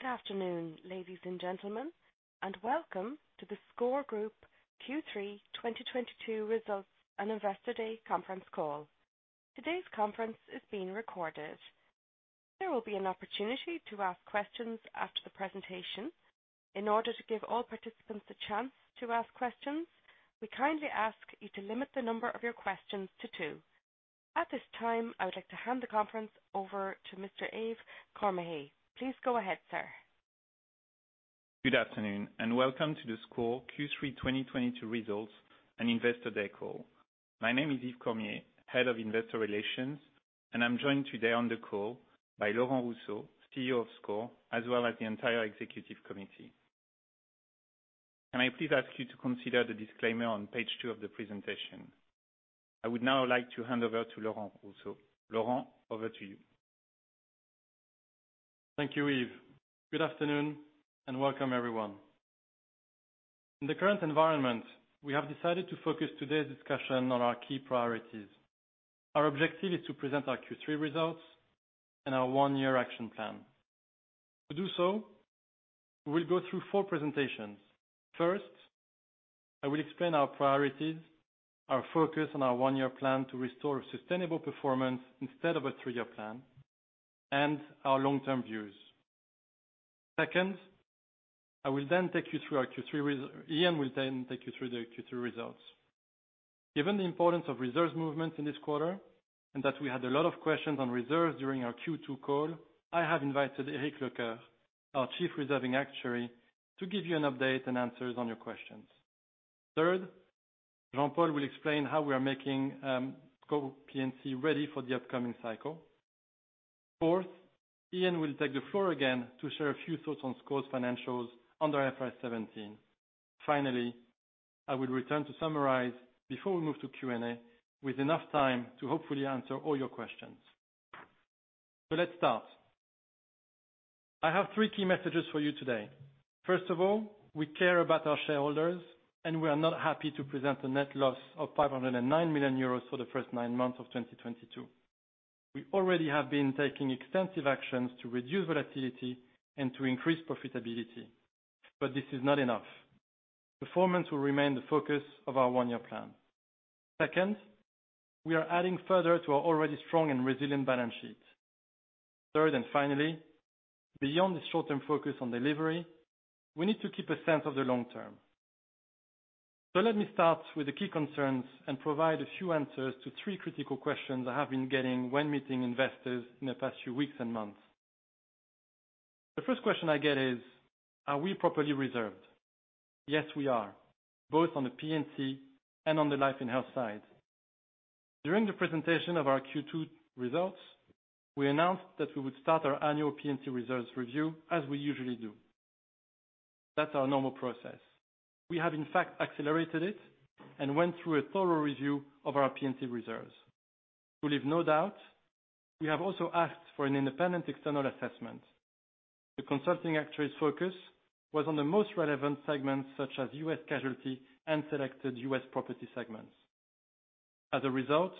Good afternoon, ladies and gentlemen, and welcome to the SCOR Group Q3 2022 Results and Investor Day conference call. Today's conference is being recorded. There will be an opportunity to ask questions after the presentation. In order to give all participants a chance to ask questions, we kindly ask you to limit the number of your questions to two. At this time, I would like to hand the conference over to Mr. Yves Cormier. Please go ahead, sir. Good afternoon, and welcome to the SCOR Q3 2022 Results and Investor Day call. My name is Yves Cormier, Head of Investor Relations, and I'm joined today on the call by Laurent Rousseau, CEO of SCOR, as well as the entire executive committee. Can I please ask you to consider the disclaimer on page two of the presentation? I would now like to hand over to Laurent Rousseau. Laurent, over to you. Thank you, Yves. Good afternoon and welcome everyone. In the current environment, we have decided to focus today's discussion on our key priorities. Our objective is to present our Q3 results and our one-year action plan. To do so, we'll go through four presentations. First, I will explain our priorities, our focus on our one-year plan to restore sustainable performance instead of a three-year plan, and our long-term views. Second, Ian will then take you through the Q3 results. Given the importance of reserves movements in this quarter, and that we had a lot of questions on reserves during our Q2 call, I have invited Eric Lecoeur, our Chief Reserving Actuary, to give you an update and answers on your questions. Third, Jean-Paul will explain how we are making SCOR P&C ready for the upcoming cycle. Fourth, Ian will take the floor again to share a few thoughts on SCOR's financials under IFRS 17. Finally, I will return to summarize before we move to Q&A with enough time to hopefully answer all your questions. Let's start. I have three key messages for you today. First of all, we care about our shareholders, and we are not happy to present a net loss of 509 million euros for the first nine months of 2022. We already have been taking extensive actions to reduce volatility and to increase profitability, but this is not enough. Performance will remain the focus of our one-year plan. Second, we are adding further to our already strong and resilient balance sheet. Third, and finally, beyond the short-term focus on delivery, we need to keep a sense of the long term. Let me start with the key concerns and provide a few answers to three critical questions I have been getting when meeting investors in the past few weeks and months. The first question I get is: Are we properly reserved? Yes, we are, both on the P&C and on the life and health side. During the presentation of our Q2 results, we announced that we would start our annual P&C reserves review as we usually do. That's our normal process. We have, in fact, accelerated it and went through a thorough review of our P&C reserves. To leave no doubt, we have also asked for an independent external assessment. The consulting actuary's focus was on the most relevant segments such as U.S. casualty and selected U.S. property segments. As a result,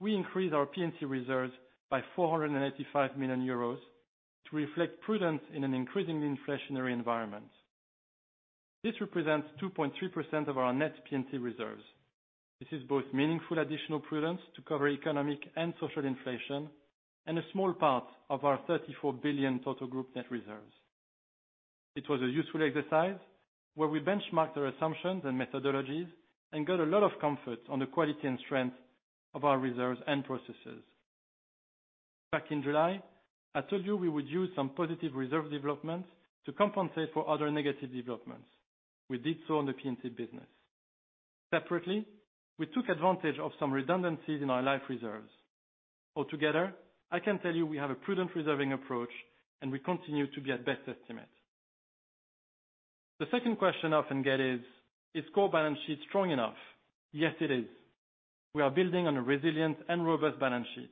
we increased our P&C reserves by 485 million euros to reflect prudence in an increasingly inflationary environment. This represents 2.3% of our net P&C reserves. This is both meaningful additional prudence to cover economic and social inflation, and a small part of our 34 billion total group net reserves. It was a useful exercise where we benchmarked our assumptions and methodologies and got a lot of comfort on the quality and strength of our reserves and processes. Back in July, I told you we would use some positive reserve developments to compensate for other negative developments. We did so on the P&C business. Separately, we took advantage of some redundancies in our life reserves. Altogether, I can tell you we have a prudent reserving approach, and we continue to be at best estimate. The second question I often get is: Is SCOR balance sheet strong enough? Yes, it is. We are building on a resilient and robust balance sheet.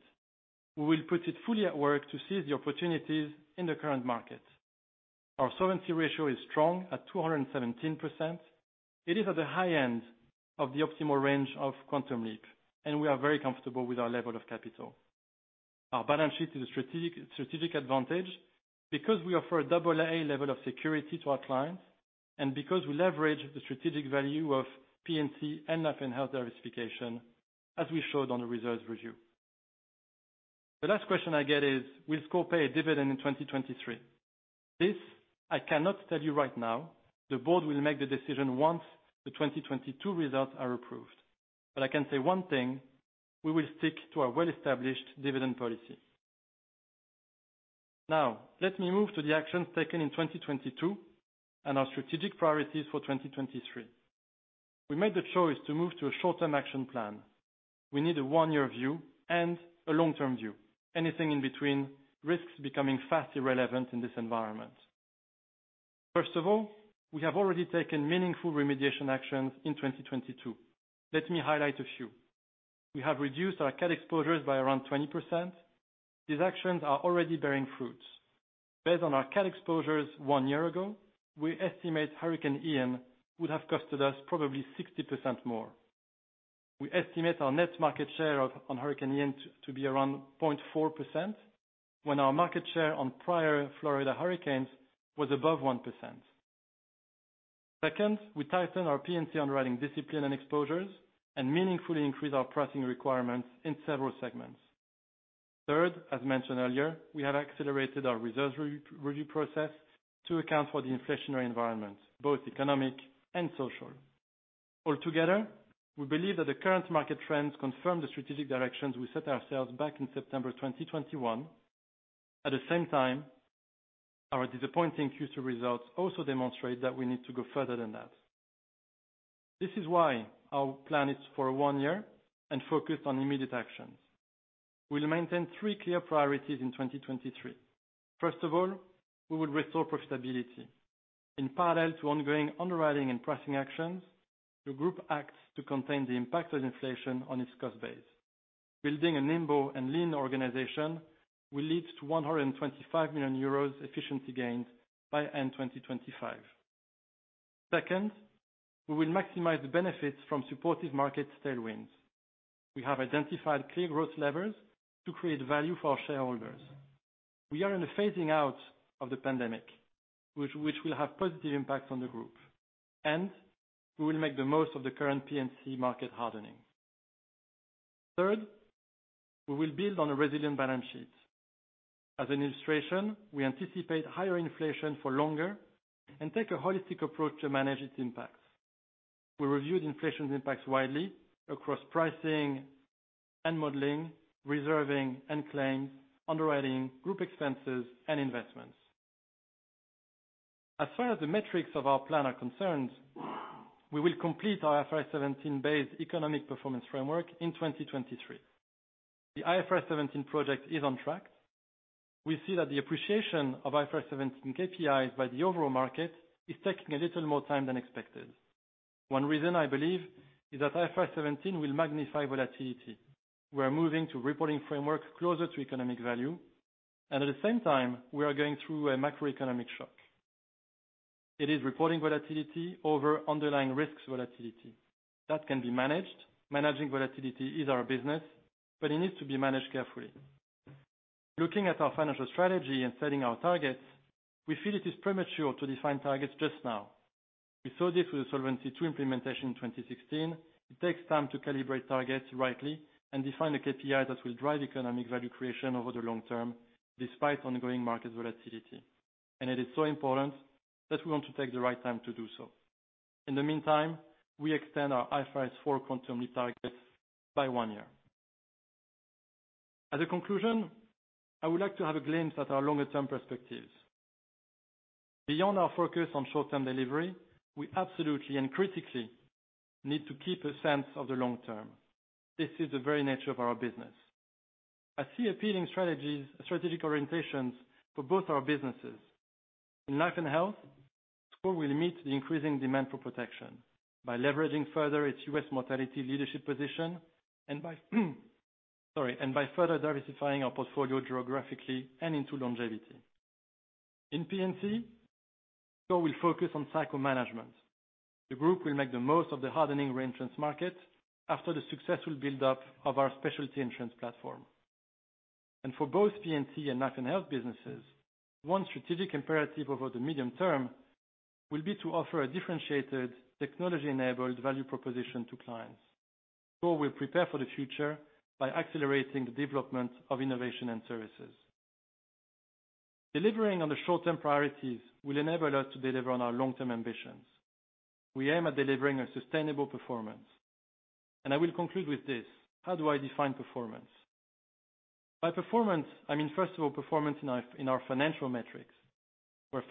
We will put it fully at work to seize the opportunities in the current market. Our solvency ratio is strong at 217%. It is at the high end of the optimal range of Quantum Leap, and we are very comfortable with our level of capital. Our balance sheet is a strategic advantage because we offer a Double A level of security to our clients and because we leverage the strategic value of P&C and life and health diversification, as we showed on the reserves review. The last question I get is: Will SCOR pay a dividend in 2023? This I cannot tell you right now. The board will make the decision once the 2022 results are approved. I can say one thing, we will stick to our well-established dividend policy. Now, let me move to the actions taken in 2022 and our strategic priorities for 2023. We made the choice to move to a short-term action plan. We need a one-year view and a long-term view. Anything in between risks becoming vastly irrelevant in this environment. First of all, we have already taken meaningful remediation actions in 2022. Let me highlight a few. We have reduced our cat exposures by around 20%. These actions are already bearing fruit. Based on our cat exposures one year ago, we estimate Hurricane Ian would have cost us probably 60% more. We estimate our net market share on Hurricane Ian to be around 0.4% when our market share on prior Florida hurricanes was above 1%. Second, we tighten our P&C underwriting discipline and exposures and meaningfully increase our pricing requirements in several segments. Third, as mentioned earlier, we have accelerated our reserves re-review process to account for the inflationary environment, both economic and social. Altogether, we believe that the current market trends confirm the strategic directions we set ourselves back in September 2021. At the same time, our disappointing Q2 results also demonstrate that we need to go further than that. This is why our plan is for one year and focused on immediate actions. We'll maintain three clear priorities in 2023. First of all, we will restore profitability. In parallel to ongoing underwriting and pricing actions, the group acts to contain the impact of inflation on its cost base. Building a nimble and lean organization will lead to 125 million euros efficiency gains by end 2025. Second, we will maximize the benefits from supportive market tailwinds. We have identified clear growth levers to create value for our shareholders. We are in the phasing out of the pandemic, which will have positive impacts on the group, and we will make the most of the current P&C market hardening. Third, we will build on a resilient balance sheet. As an illustration, we anticipate higher inflation for longer and take a holistic approach to manage its impacts. We reviewed inflation's impacts widely across pricing and modeling, reserving and claims, underwriting, group expenses, and investments. As far as the metrics of our plan are concerned, we will complete our IFRS 17-based economic performance framework in 2023. The IFRS 17 project is on track. We see that the appreciation of IFRS 17 KPIs by the overall market is taking a little more time than expected. One reason I believe is that IFRS 17 will magnify volatility. We're moving to reporting framework closer to economic value, and at the same time, we are going through a macroeconomic shock. It is reporting volatility over underlying risks volatility. That can be managed. Managing volatility is our business, but it needs to be managed carefully. Looking at our financial strategy and setting our targets, we feel it is premature to define targets just now. We saw this with the Solvency II implementation in 2016. It takes time to calibrate targets rightly and define the KPI that will drive economic value creation over the long term despite ongoing market volatility. It is so important that we want to take the right time to do so. In the meantime, we extend our IFRS 4 Quantum Leap target by one year. As a conclusion, I would like to have a glimpse at our longer term perspectives. Beyond our focus on short-term delivery, we absolutely and critically need to keep a sense of the long term. This is the very nature of our business. I see appealing strategies, strategic orientations for both our businesses. In life and health, SCOR will meet the increasing demand for protection by leveraging further its U.S. mortality leadership position and by further diversifying our portfolio geographically and into longevity. In P&C, SCOR will focus on cycle management. The group will make the most of the hardening reinsurance market after the successful buildup of our specialty insurance platform. For both P&C and life and health businesses, one strategic imperative over the medium term will be to offer a differentiated technology-enabled value proposition to clients. SCOR will prepare for the future by accelerating the development of innovation and services. Delivering on the short-term priorities will enable us to deliver on our long-term ambitions. We aim at delivering a sustainable performance. I will conclude with this, how do I define performance? By performance, I mean, first of all, performance in our financial metrics, where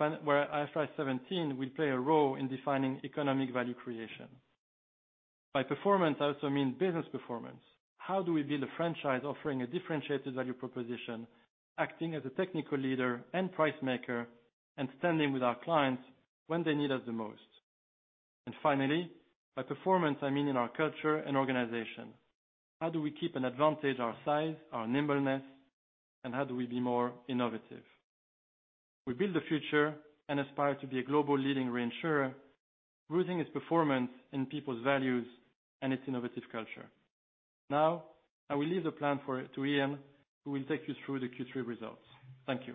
IFRS 17 will play a role in defining economic value creation. By performance, I also mean business performance. How do we build a franchise offering a differentiated value proposition, acting as a technical leader and price maker, and standing with our clients when they need us the most? By performance, I mean in our culture and organization. How do we keep an advantage our size, our nimbleness, and how do we be more innovative? We build the future and aspire to be a global leading reinsurer, rooting its performance in people's values and its innovative culture. Now, I will leave the plan to Ian, who will take you through the Q3 results. Thank you.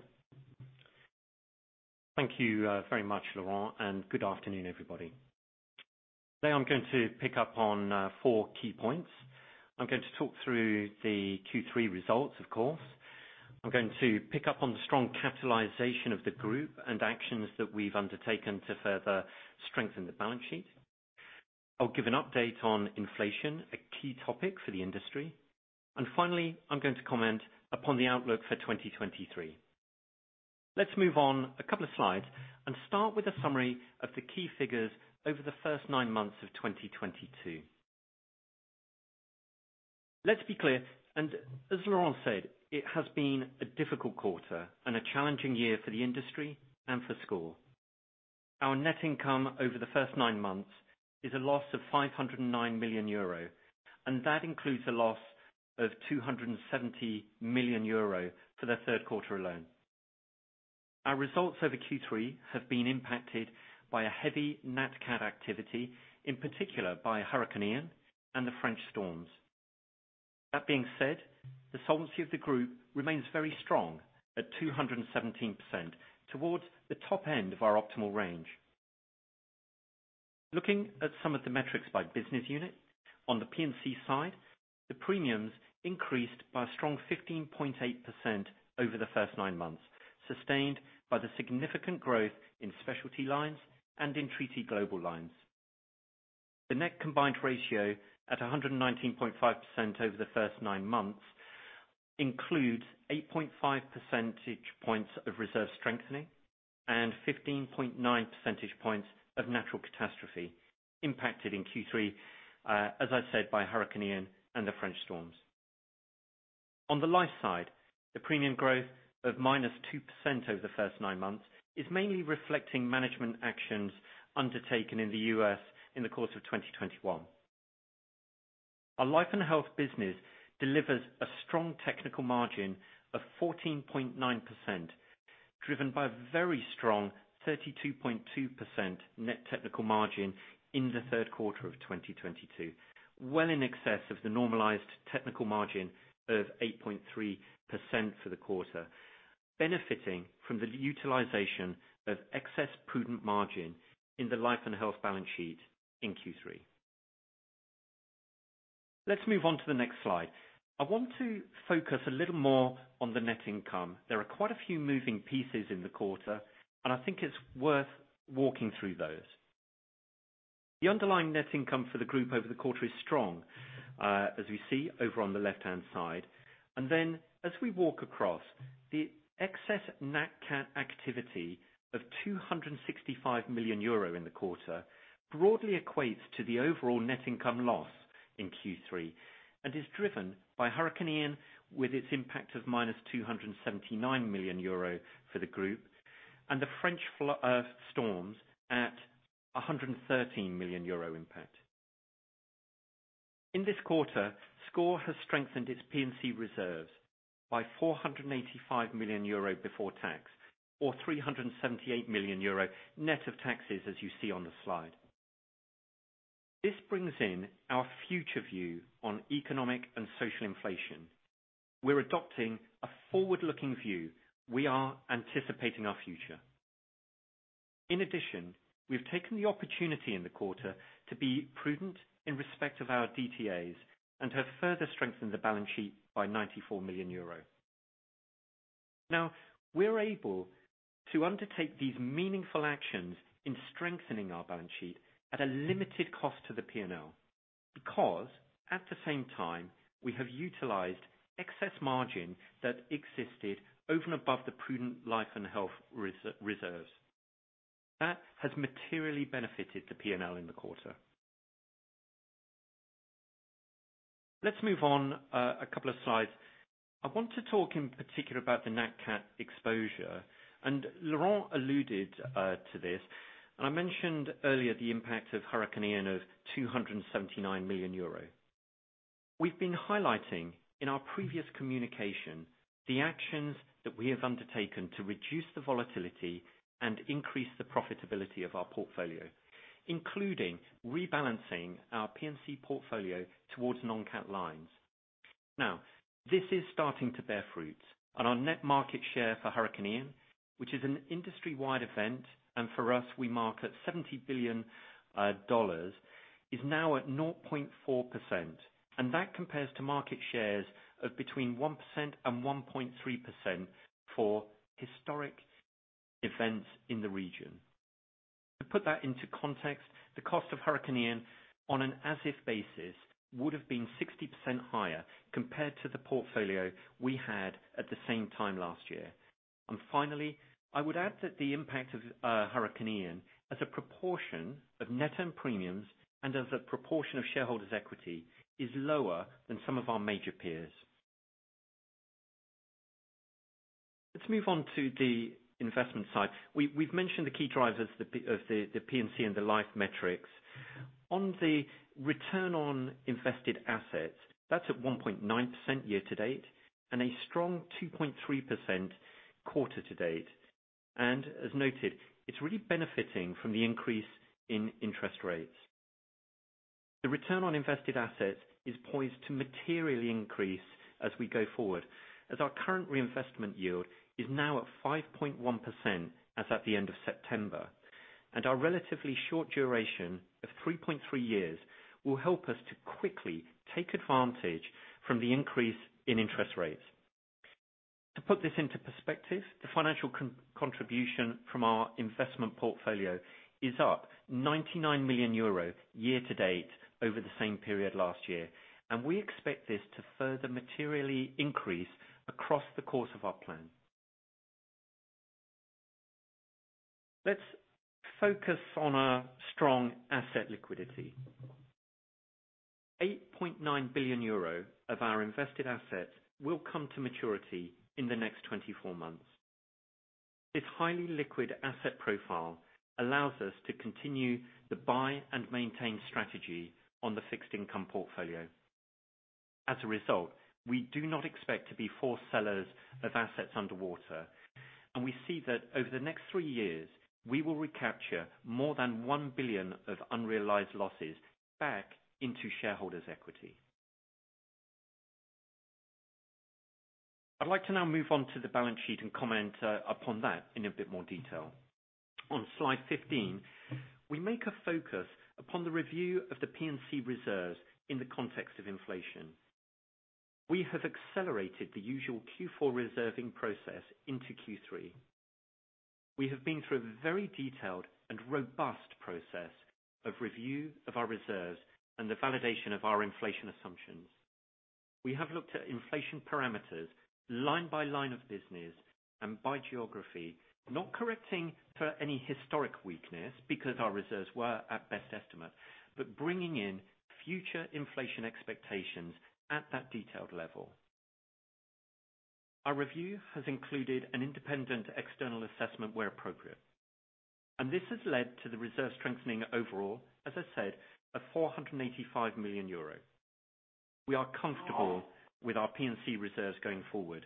Thank you very much, Laurent, and good afternoon, everybody. Today I'm going to pick up on four key points. I'm going to talk through the Q3 results, of course. I'm going to pick up on the strong capitalization of the group and actions that we've undertaken to further strengthen the balance sheet. I'll give an update on inflation, a key topic for the industry. Finally, I'm going to comment upon the outlook for 2023. Let's move on a couple of slides and start with a summary of the key figures over the first nine months of 2022. Let's be clear, as Laurent said, it has been a difficult quarter and a challenging year for the industry and for SCOR. Our net income over the first nine months is a loss of 509 million euro, and that includes a loss of 270 million euro for the third quarter alone. Our results over Q3 have been impacted by a heavy nat cat activity, in particular by Hurricane Ian and the French storms. That being said, the solvency of the group remains very strong at 217%, towards the top end of our optimal range. Looking at some of the metrics by business unit, on the P&C side, the premiums increased by a strong 15.8% over the first nine months, sustained by the significant growth in specialty lines and in treaty global lines. The net combined ratio at 119.5% over the first nine months includes 8.5 percentage points of reserve strengthening and 15.9 percentage points of natural catastrophe impacted in Q3, as I said, by Hurricane Ian and the French storms. On the life side, the premium growth of -2% over the first nine months is mainly reflecting management actions undertaken in the U.S. in the course of 2021. Our life and health business delivers a strong technical margin of 14.9%, driven by very strong 32.2% net technical margin in the third quarter of 2022. Well in excess of the normalized technical margin of 8.3% for the quarter, benefiting from the utilization of excess prudent margin in the life & health balance sheet in Q3. Let's move on to the next slide. I want to focus a little more on the net income. There are quite a few moving pieces in the quarter, and I think it's worth walking through those. The underlying net income for the group over the quarter is strong, as we see over on the left-hand side. As we walk across the excess nat cat activity of 265 million euro in the quarter broadly equates to the overall net income loss in Q3, and is driven by Hurricane Ian, with its impact of -279 million euro for the group and the French storms at 113 million euro impact. In this quarter, SCOR has strengthened its P&C reserves by 485 million euro before tax, or 378 million euro net of taxes, as you see on the slide. This brings in our future view on economic and social inflation. We're adopting a forward-looking view. We are anticipating our future. In addition, we've taken the opportunity in the quarter to be prudent in respect of our DTAs and have further strengthened the balance sheet by 94 million euro. Now we're able to undertake these meaningful actions in strengthening our balance sheet at a limited cost to the P&L, because at the same time we have utilized excess margin that existed over and above the prudent life & health reserves. That has materially benefited the P&L in the quarter. Let's move on, a couple of slides. I want to talk in particular about the nat cat exposure, and Laurent alluded to this. I mentioned earlier the impact of Hurricane Ian of EUR 279 million. We've been highlighting in our previous communication the actions that we have undertaken to reduce the volatility and increase the profitability of our portfolio, including rebalancing our P&C portfolio towards non-cat lines. Now this is starting to bear fruit on our net market share for Hurricane Ian, which is an industry-wide event, and for us our market at $70 billion is now at 0.4%, and that compares to market shares of between 1% and 1.3% for historic events in the region. To put that into context, the cost of Hurricane Ian on an as if basis would have been 60% higher compared to the portfolio we had at the same time last year. Finally, I would add that the impact of Hurricane Ian as a proportion of net earned premiums and as a proportion of shareholders' equity is lower than some of our major peers. Let's move on to the investment side. We've mentioned the key drivers, the P&C and the life metrics. On the return on invested assets, that's at 1.9% year to date and a strong 2.3% quarter to date. As noted, it's really benefiting from the increase in interest rates. The return on invested assets is poised to materially increase as we go forward, as our current reinvestment yield is now at 5.1% as at the end of September, and our relatively short duration of 3.3 years will help us to quickly take advantage from the increase in interest rates. To put this into perspective, the financial contribution from our investment portfolio is up 99 million euro year to date over the same period last year, and we expect this to further materially increase across the course of our plan. Let's focus on our strong asset liquidity. 8.9 billion euro of our invested assets will come to maturity in the next 24 months. This highly liquid asset profile allows us to continue the buy and maintain strategy on the fixed income portfolio. As a result, we do not expect to be forced sellers of assets underwater. We see that over the next three years, we will recapture more than 1 billion of unrealized losses back into shareholders' equity. I'd like to now move on to the balance sheet and comment upon that in a bit more detail. On slide 15, we make a focus upon the review of the P&C reserves in the context of inflation. We have accelerated the usual Q4 reserving process into Q3. We have been through a very detailed and robust process of review of our reserves and the validation of our inflation assumptions. We have looked at inflation parameters line by line of business and by geography, not correcting for any historic weakness because our reserves were at best estimate, but bringing in future inflation expectations at that detailed level. Our review has included an independent external assessment where appropriate, and this has led to the reserve strengthening overall, as I said, of 485 million euro. We are comfortable with our P&C reserves going forward,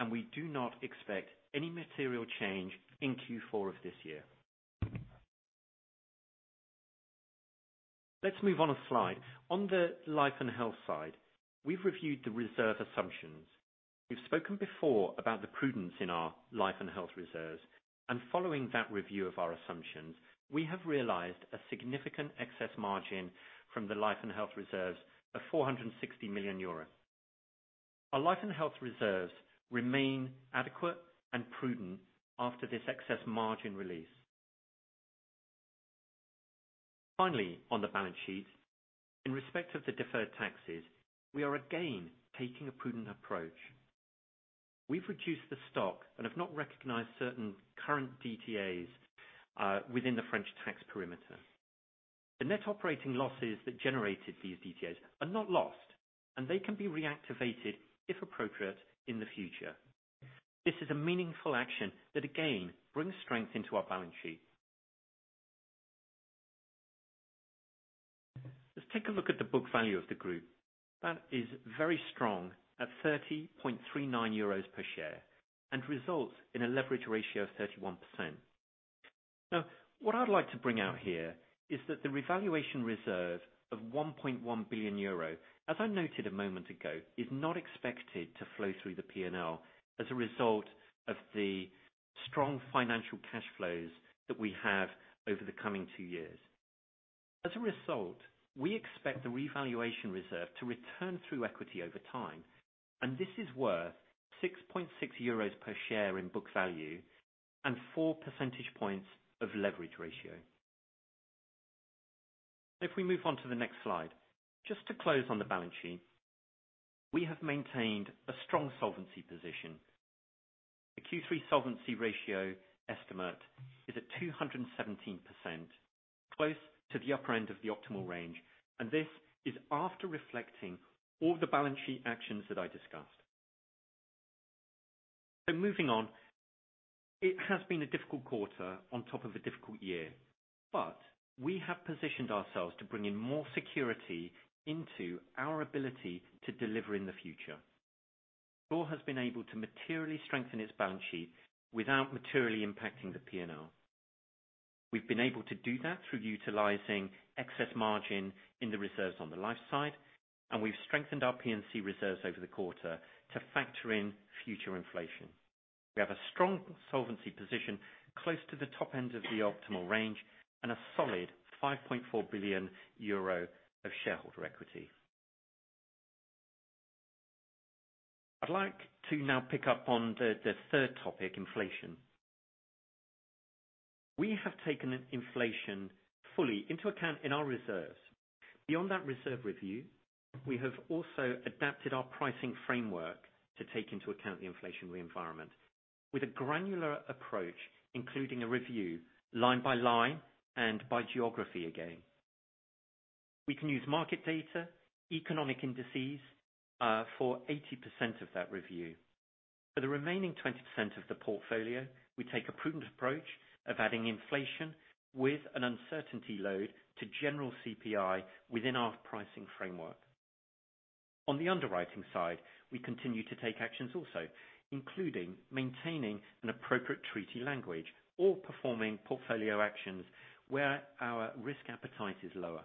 and we do not expect any material change in Q4 of this year. Let's move on to a slide. On the life and health side, we've reviewed the reserve assumptions. We've spoken before about the prudence in our life and health reserves. Following that review of our assumptions, we have realized a significant excess margin from the life and health reserves of 460 million euro. Our life and health reserves remain adequate and prudent after this excess margin release. Finally, on the balance sheet. In respect of the deferred taxes, we are again taking a prudent approach. We've reduced the stock and have not recognized certain current DTAs within the French tax perimeter. The net operating losses that generated these DTAs are not lost, and they can be reactivated, if appropriate, in the future. This is a meaningful action that again brings strength into our balance sheet. Let's take a look at the book value of the group. That is very strong at 30.39 euros per share and results in a leverage ratio of 31%. Now, what I'd like to bring out here is that the revaluation reserve of 1.1 billion euro, as I noted a moment ago, is not expected to flow through the P&L as a result of the strong financial cash flows that we have over the coming two years. As a result, we expect the revaluation reserve to return through equity over time, and this is worth 6.6 euros per share in book value and four percentage points of leverage ratio. If we move on to the next slide. Just to close on the balance sheet. We have maintained a strong solvency position. The Q3 solvency ratio estimate is at 217%, close to the upper end of the optimal range, and this is after reflecting all the balance sheet actions that I discussed. Moving on. It has been a difficult quarter on top of a difficult year. We have positioned ourselves to bring in more security into our ability to deliver in the future. SCOR has been able to materially strengthen its balance sheet without materially impacting the P&L. We've been able to do that through utilizing excess margin in the reserves on the life side, and we've strengthened our P&C reserves over the quarter to factor in future inflation. We have a strong solvency position close to the top end of the optimal range and a solid 5.4 billion euro of shareholder equity. I'd like to now pick up on the third topic, inflation. We have taken inflation fully into account in our reserves. Beyond that reserve review, we have also adapted our pricing framework to take into account the inflationary environment with a granular approach, including a review line by line and by geography again. We can use market data, economic indices, for 80% of that review. For the remaining 20% of the portfolio, we take a prudent approach of adding inflation with an uncertainty load to general CPI within our pricing framework. On the underwriting side, we continue to take actions also, including maintaining an appropriate treaty language or performing portfolio actions where our risk appetite is lower.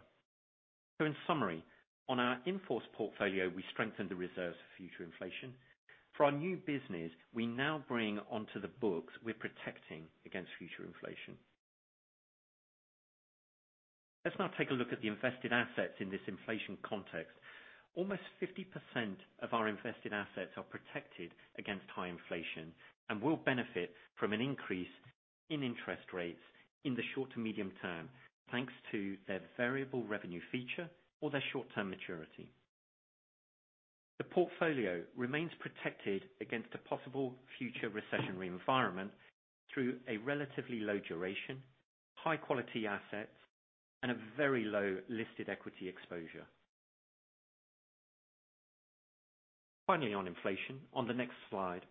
In summary, on our in-force portfolio, we strengthen the reserves for future inflation. For our new business, we now bring onto the books we're protecting against future inflation. Let's now take a look at the invested assets in this inflation context. Almost 50% of our invested assets are protected against high inflation and will benefit from an increase in interest rates in the short to medium term, thanks to their variable revenue feature or their short-term maturity. The portfolio remains protected against a possible future recessionary environment through a relatively low duration, high quality assets, and a very low listed equity exposure. Finally, on inflation, on the next slide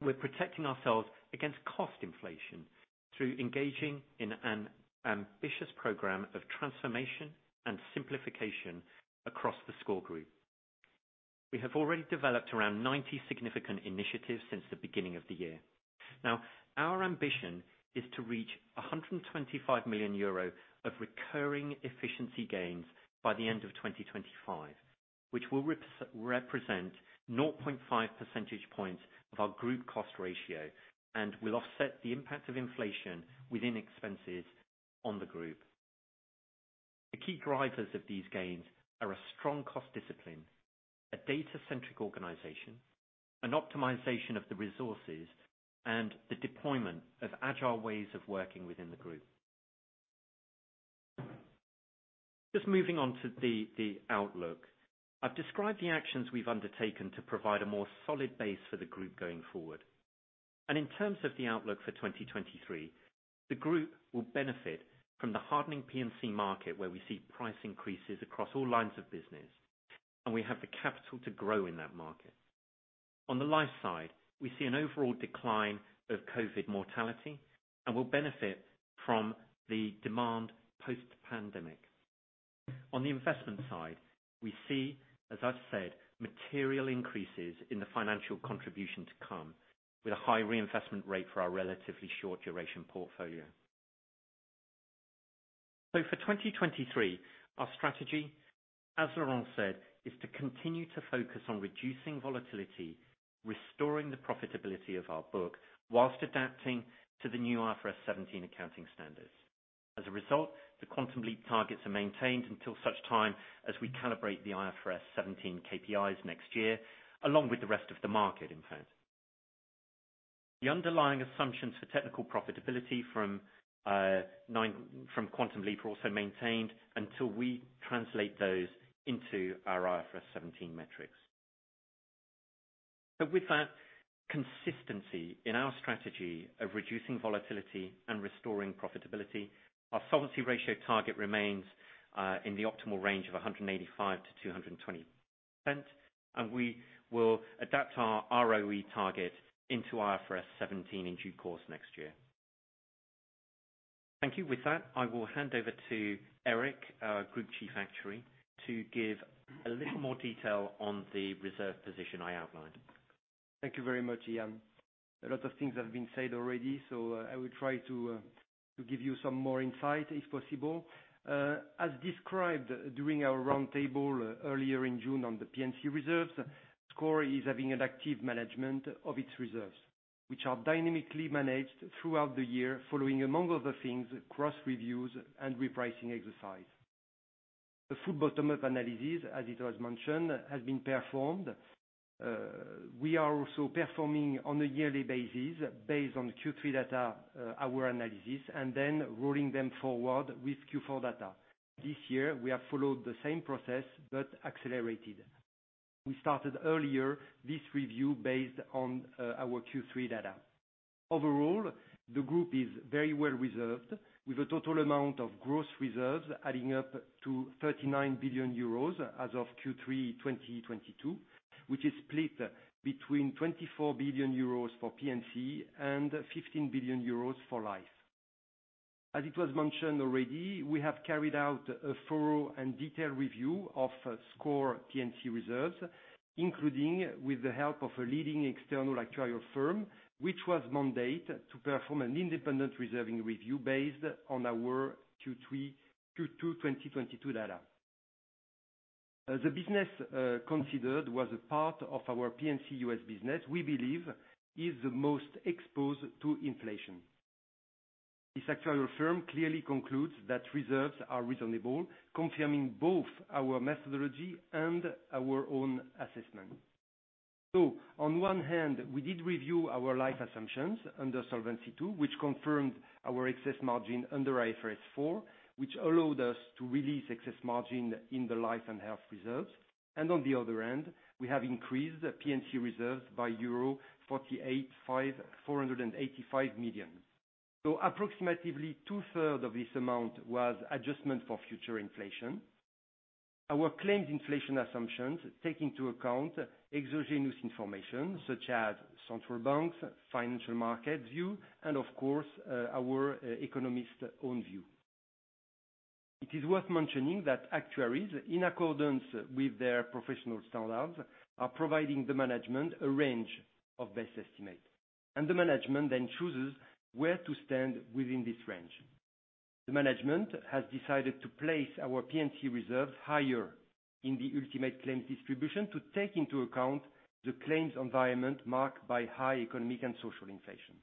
we're protecting ourselves against cost inflation through engaging in an ambitious program of transformation and simplification across the SCOR Group. We have already developed around 90 significant initiatives since the beginning of the year. Now, our ambition is to reach 125 million euro of recurring efficiency gains by the end of 2025, which will represent 0.5 percentage points of our group cost ratio and will offset the impact of inflation within expenses on the group. The key drivers of these gains are a strong cost discipline, a data-centric organization, an optimization of the resources, and the deployment of agile ways of working within the group. Just moving on to the outlook. I've described the actions we've undertaken to provide a more solid base for the group going forward. In terms of the outlook for 2023, the group will benefit from the hardening P&C market, where we see price increases across all lines of business, and we have the capital to grow in that market. On the life side, we see an overall decline of COVID mortality and will benefit from the demand post-pandemic. On the investment side, we see, as I've said, material increases in the financial contribution to come with a high reinvestment rate for our relatively short duration portfolio. For 2023, our strategy, as Laurent said, is to continue to focus on reducing volatility, restoring the profitability of our book, while adapting to the new IFRS 17 accounting standards. As a result, the Quantum Leap targets are maintained until such time as we calibrate the IFRS 17 KPIs next year, along with the rest of the market, in fact. The underlying assumptions for technical profitability from Quantum Leap are also maintained until we translate those into our IFRS 17 metrics. With that consistency in our strategy of reducing volatility and restoring profitability, our solvency ratio target remains in the optimal range of 185%-220%, and we will adapt our ROE target into IFRS 17 in due course next year. Thank you. With that, I will hand over to Eric, our Group Chief Actuary, to give a little more detail on the reserve position I outlined. Thank you very much, Ian. A lot of things have been said already, so I will try to give you some more insight if possible. As described during our roundtable earlier in June on the P&C reserves, SCOR is having an active management of its reserves, which are dynamically managed throughout the year, following, among other things, cross reviews and repricing exercises. The full bottom-up analysis, as it was mentioned, has been performed. We are also performing on a yearly basis based on Q3 data, our analysis, and then rolling them forward with Q4 data. This year we have followed the same process but accelerated. We started earlier this review based on our Q3 data. Overall, the group is very well reserved, with a total amount of gross reserves adding up to 39 billion euros as of Q3 2022, which is split between 24 billion euros for P&C and 15 billion euros for life. As it was mentioned already, we have carried out a thorough and detailed review of SCOR P&C reserves, including with the help of a leading external actuarial firm, which was mandated to perform an independent reserving review based on our Q3 2022 data. As the business considered was a part of our P&C U.S. business, we believe is the most exposed to inflation. This actuarial firm clearly concludes that reserves are reasonable, confirming both our methodology and our own assessment. On one hand, we did review our life assumptions under Solvency II, which confirmed our excess margin under IFRS 4, which allowed us to release excess margin in the life and health reserves. On the other end, we have increased P&C reserves by euro 485 million. Approximately two-thirds of this amount was adjustment for future inflation. Our claim inflation assumptions take into account exogenous information such as central banks, financial market view, and of course, our economist own view. It is worth mentioning that actuaries, in accordance with their professional standards, are providing the management a range of best estimate, and the management then chooses where to stand within this range. The management has decided to place our P&C reserves higher in the ultimate claims distribution to take into account the claims environment marked by high economic and social inflation.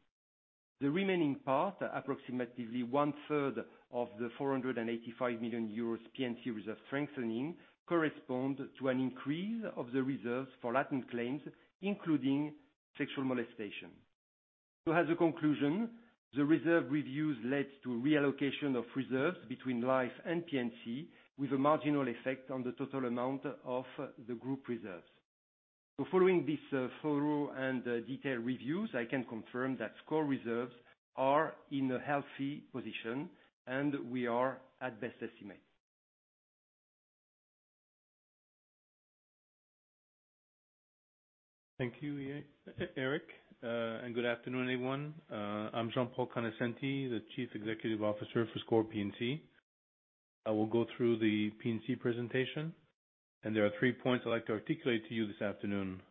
The remaining part, approximately one third of the 485 million euros P&C reserve strengthening, correspond to an increase of the reserves for latent claims, including sexual molestation. As a conclusion, the reserve reviews led to reallocation of reserves between life and P&C, with a marginal effect on the total amount of the group reserves. Following this, thorough and detailed reviews, I can confirm that SCOR reserves are in a healthy position and we are at best estimate. Thank you, Eric. Good afternoon, everyone. I'm Jean-Paul Conoscente, the Chief Executive Officer for SCOR P&C. I will go through the P&C presentation, and there are three points I'd like to articulate to you this afternoon.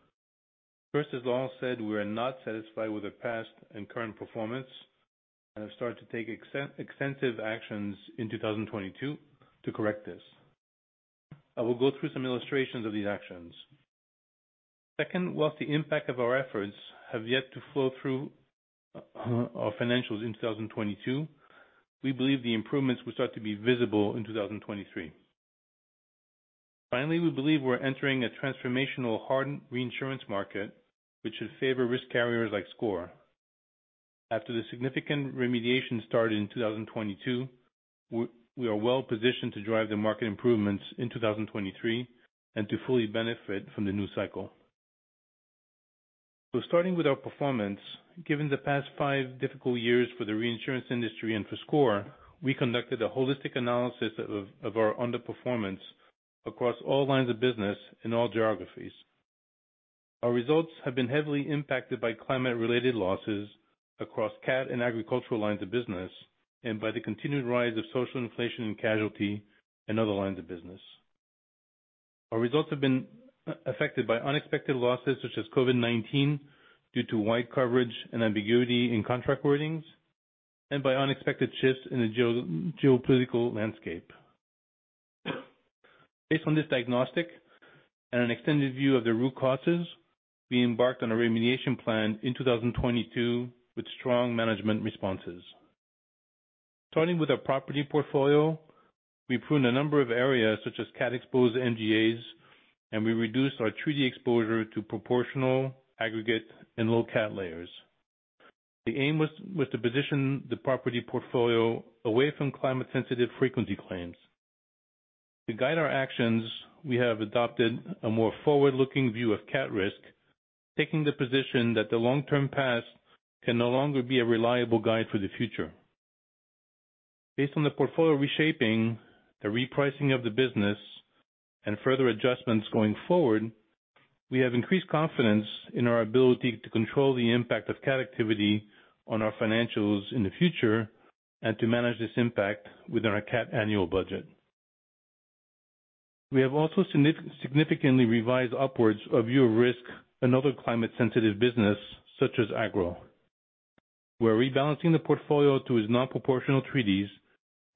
First, as Lars said, we're not satisfied with our past and current performance, and have started to take extensive actions in 2022 to correct this. I will go through some illustrations of these actions. Second, while the impact of our efforts have yet to flow through our financials in 2022, we believe the improvements will start to be visible in 2023. Finally, we believe we're entering a transformational hardened reinsurance market, which should favor risk carriers like SCOR. After the significant remediation started in 2022, we are well-positioned to drive the market improvements in 2023 and to fully benefit from the new cycle. Starting with our performance, given the past five difficult years for the reinsurance industry and for SCOR, we conducted a holistic analysis of our underperformance across all lines of business in all geographies. Our results have been heavily impacted by climate-related losses across cat and agricultural lines of business and by the continued rise of social inflation and casualty in other lines of business. Our results have been affected by unexpected losses such as COVID-19 due to wide coverage and ambiguity in contract wordings, and by unexpected shifts in the geopolitical landscape. Based on this diagnostic and an extended view of the root causes, we embarked on a remediation plan in 2022 with strong management responses. Starting with our property portfolio, we pruned a number of areas such as cat exposed MGAs, and we reduced our treaty exposure to proportional aggregate and low cat layers. The aim was to position the property portfolio away from climate sensitive frequency claims. To guide our actions, we have adopted a more forward-looking view of cat risk, taking the position that the long-term past can no longer be a reliable guide for the future. Based on the portfolio reshaping, the repricing of the business, and further adjustments going forward, we have increased confidence in our ability to control the impact of cat activity on our financials in the future, and to manage this impact within our cat annual budget. We have also significantly revised upwards our view of risk and other climate sensitive business such as agro. We're rebalancing the portfolio to its non-proportional treaties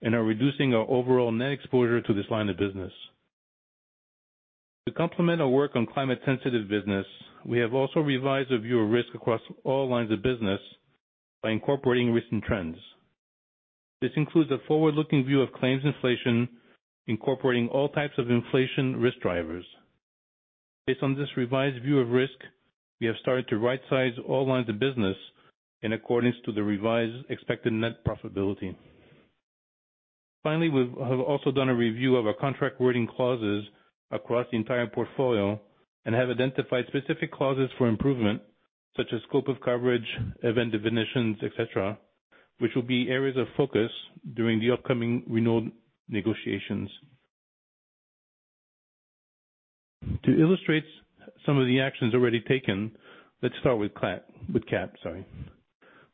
and are reducing our overall net exposure to this line of business. To complement our work on climate sensitive business, we have also revised our view of risk across all lines of business by incorporating recent trends. This includes a forward-looking view of claims inflation, incorporating all types of inflation risk drivers. Based on this revised view of risk, we have started to right-size all lines of business in accordance to the revised expected net profitability. Finally, we've also done a review of our contract wording clauses across the entire portfolio and have identified specific clauses for improvement such as scope of coverage, event definitions, et cetera, which will be areas of focus during the upcoming renewal negotiations. To illustrate some of the actions already taken, let's start with cat, sorry.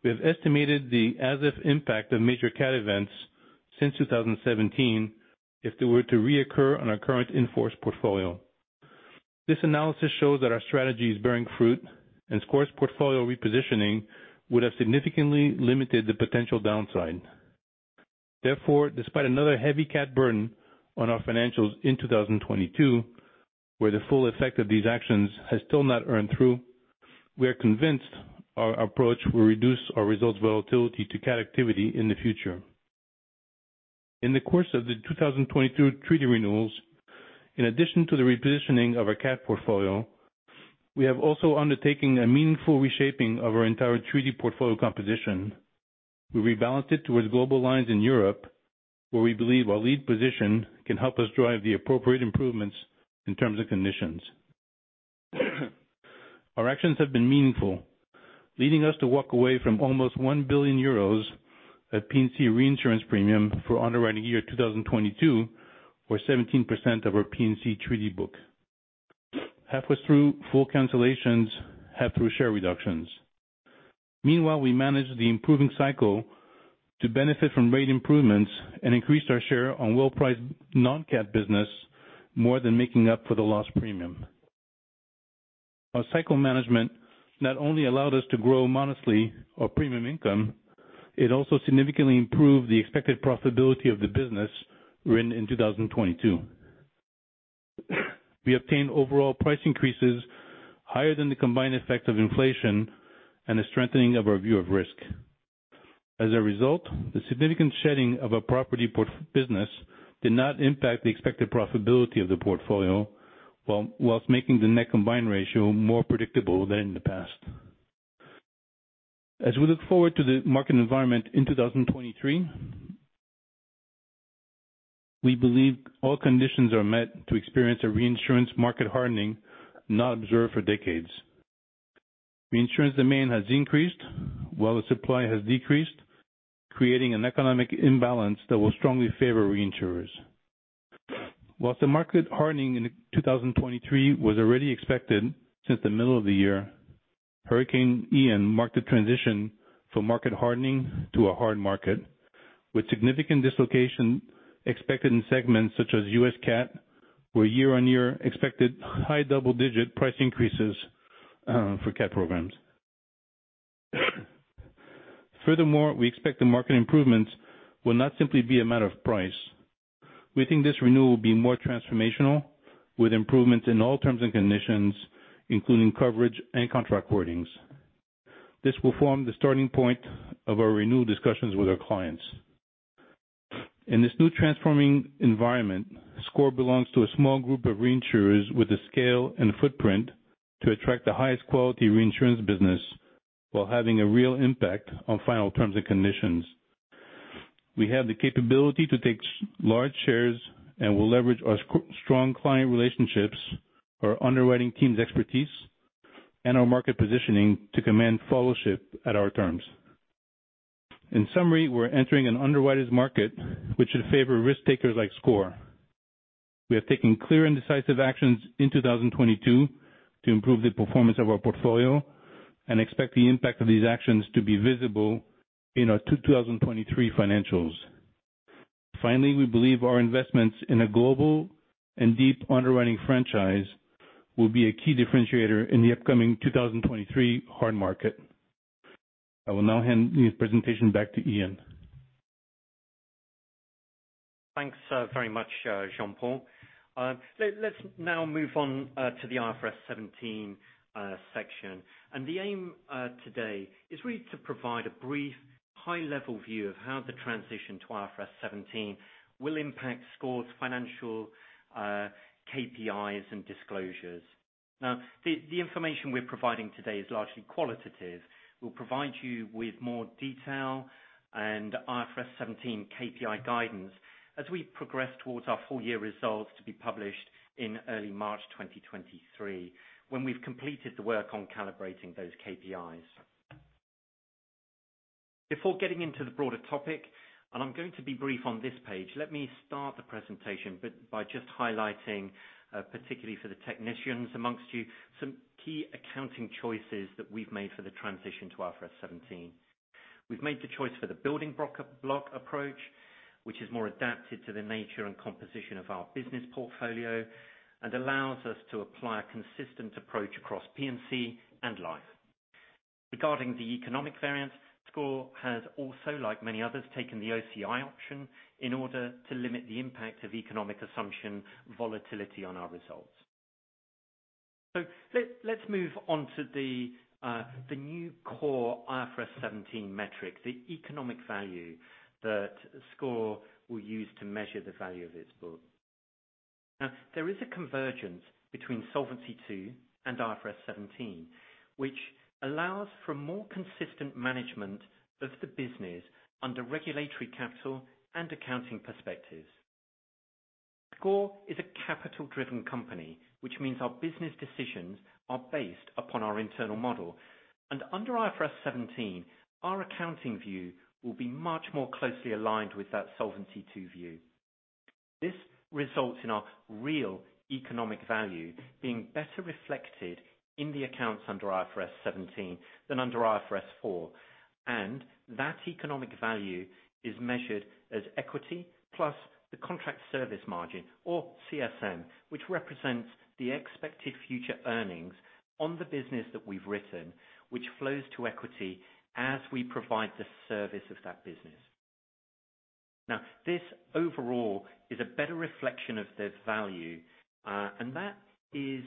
We have estimated the as if impact of major cat events since 2017 if they were to reoccur on our current in-force portfolio. This analysis shows that our strategy is bearing fruit, and SCOR's portfolio repositioning would have significantly limited the potential downside. Therefore, despite another heavy cat burden on our financials in 2022, where the full effect of these actions has still not earned through, we are convinced our approach will reduce our results volatility to cat activity in the future. In the course of the 2022 treaty renewals, in addition to the repositioning of our cat portfolio, we have also undertaken a meaningful reshaping of our entire treaty portfolio composition. We rebalanced it towards global lines in Europe, where we believe our lead position can help us drive the appropriate improvements in terms and conditions. Our actions have been meaningful, leading us to walk away from almost 1 billion euros at P&C reinsurance premium for underwriting year 2022, or 17% of our P&C treaty book. Half was through full cancellations, half through share reductions. Meanwhile, we managed the improving cycle to benefit from rate improvements and increased our share on well-priced non-cat business, more than making up for the lost premium. Our cycle management not only allowed us to grow modestly our premium income, it also significantly improved the expected profitability of the business written in 2022. We obtained overall price increases higher than the combined effect of inflation and a strengthening of our view of risk. As a result, the significant shedding of our property business did not impact the expected profitability of the portfolio, while making the net combined ratio more predictable than in the past. As we look forward to the market environment in 2023, we believe all conditions are met to experience a reinsurance market hardening not observed for decades. Reinsurance demand has increased while the supply has decreased, creating an economic imbalance that will strongly favor reinsurers. While the market hardening in 2023 was already expected since the middle of the year, Hurricane Ian marked a transition from market hardening to a hard market, with significant dislocation expected in segments such as U.S. cat, where year-on-year expected high double-digit price increases for cat programs. Furthermore, we expect the market improvements will not simply be a matter of price. We think this renewal will be more transformational, with improvements in all terms and conditions, including coverage and contract wordings. This will form the starting point of our renewed discussions with our clients. In this new transforming environment, SCOR belongs to a small group of reinsurers with the scale and footprint to attract the highest quality reinsurance business while having a real impact on final terms and conditions. We have the capability to take large shares, and we'll leverage our strong client relationships, our underwriting team's expertise, and our market positioning to command followership at our terms. In summary, we're entering an underwriter's market which should favor risk takers like SCOR. We have taken clear and decisive actions in 2022 to improve the performance of our portfolio and expect the impact of these actions to be visible in our 2023 financials. Finally, we believe our investments in a global and deep underwriting franchise will be a key differentiator in the upcoming 2023 hard market. I will now hand the presentation back to Ian. Thanks, very much, Jean-Paul. Let's now move on to the IFRS 17 section. The aim today is really to provide a brief high level view of how the transition to IFRS 17 will impact SCOR's financial KPIs and disclosures. Now, the information we're providing today is largely qualitative. We'll provide you with more detail and IFRS 17 KPI guidance as we progress towards our full year results to be published in early March 2023, when we've completed the work on calibrating those KPIs. Before getting into the broader topic, and I'm going to be brief on this page, let me start the presentation by just highlighting, particularly for the technicians among you, some key accounting choices that we've made for the transition to IFRS 17. We've made the choice for the building block approach, which is more adapted to the nature and composition of our business portfolio and allows us to apply a consistent approach across P&C and life. Regarding the economic variance, SCOR has also, like many others, taken the OCI option in order to limit the impact of economic assumption volatility on our results. Let's move on to the new core IFRS 17 metric, the economic value that SCOR will use to measure the value of its book. Now, there is a convergence between Solvency II and IFRS 17, which allows for more consistent management of the business under regulatory capital and accounting perspectives. SCOR is a capital driven company, which means our business decisions are based upon our internal model. Under IFRS 17, our accounting view will be much more closely aligned with that Solvency II view. This results in our real economic value being better reflected in the accounts under IFRS 17 than under IFRS 4. That economic value is measured as equity plus the contractual service margin or CSM, which represents the expected future earnings on the business that we've written, which flows to equity as we provide the service of that business. Now, this overall is a better reflection of the value, and that is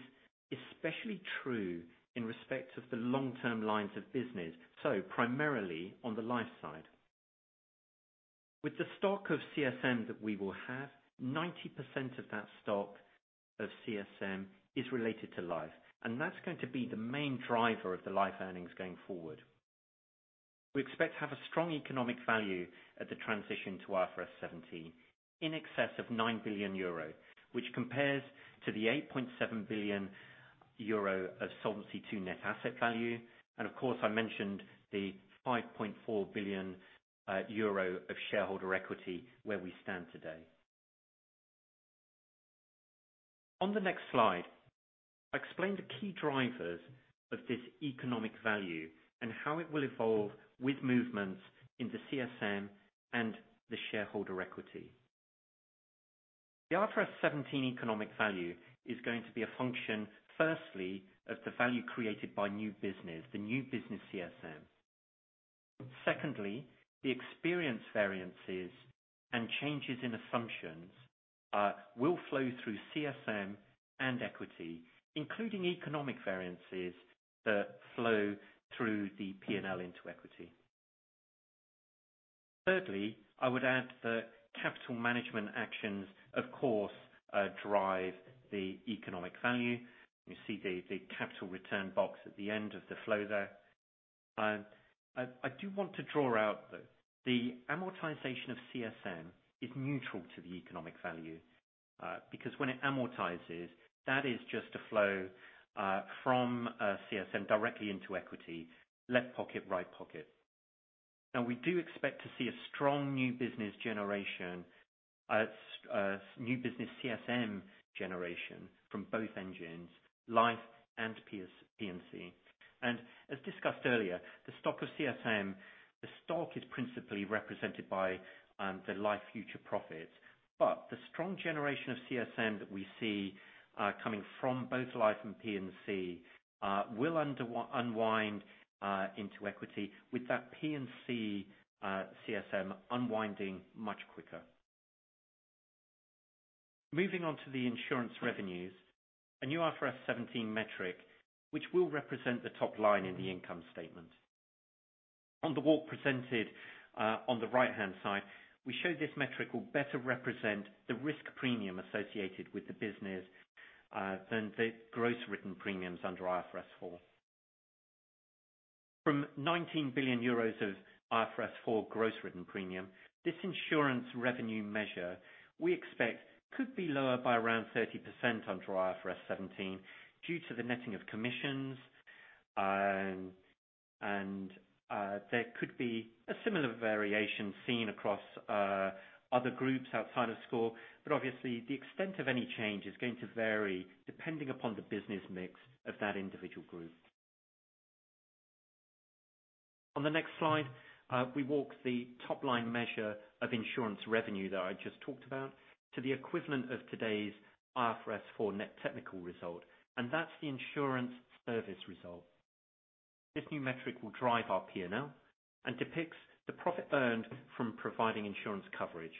especially true in respect of the long-term lines of business, so primarily on the life side. With the stock of CSM that we will have, 90% of that stock of CSM is related to life, and that's going to be the main driver of the life earnings going forward. We expect to have a strong economic value at the transition to IFRS 17 in excess of 9 billion euro, which compares to the 8.7 billion euro of Solvency II net asset value. Of course, I mentioned the 5.4 billion euro of shareholder equity where we stand today. On the next slide, I explain the key drivers of this economic value and how it will evolve with movements in the CSM and the shareholder equity. The IFRS 17 economic value is going to be a function, firstly, of the value created by new business, the new business CSM. Secondly, the experience variances and changes in assumptions will flow through CSM and equity, including economic variances that flow through the P&L into equity. Thirdly, I would add the capital management actions, of course, drive the economic value. You see the capital return box at the end of the flow there. I do want to draw out that the amortization of CSM is neutral to the economic value, because when it amortizes, that is just a flow from CSM directly into equity, left pocket, right pocket. Now we do expect to see a strong new business generation, new business CSM generation from both engines, life and P&C. As discussed earlier, the stock of CSM is principally represented by the life future profit. The strong generation of CSM that we see coming from both life and P&C will unwind into equity with that P&C CSM unwinding much quicker. Moving on to the insurance revenues, a new IFRS 17 metric, which will represent the top line in the income statement. On the walk presented, on the right-hand side, we show this metric will better represent the risk premium associated with the business than the gross written premiums under IFRS 4. From 19 billion euros of IFRS 4 gross written premium, this insurance revenue measure, we expect could be lower by around 30% under IFRS 17 due to the netting of commissions. There could be a similar variation seen across other groups outside of SCOR, but obviously the extent of any change is going to vary depending upon the business mix of that individual group. On the next slide, we walk the top-line measure of insurance revenue that I just talked about to the equivalent of today's IFRS 4 net technical result, and that's the insurance service result. This new metric will drive our P&L and depicts the profit earned from providing insurance coverage.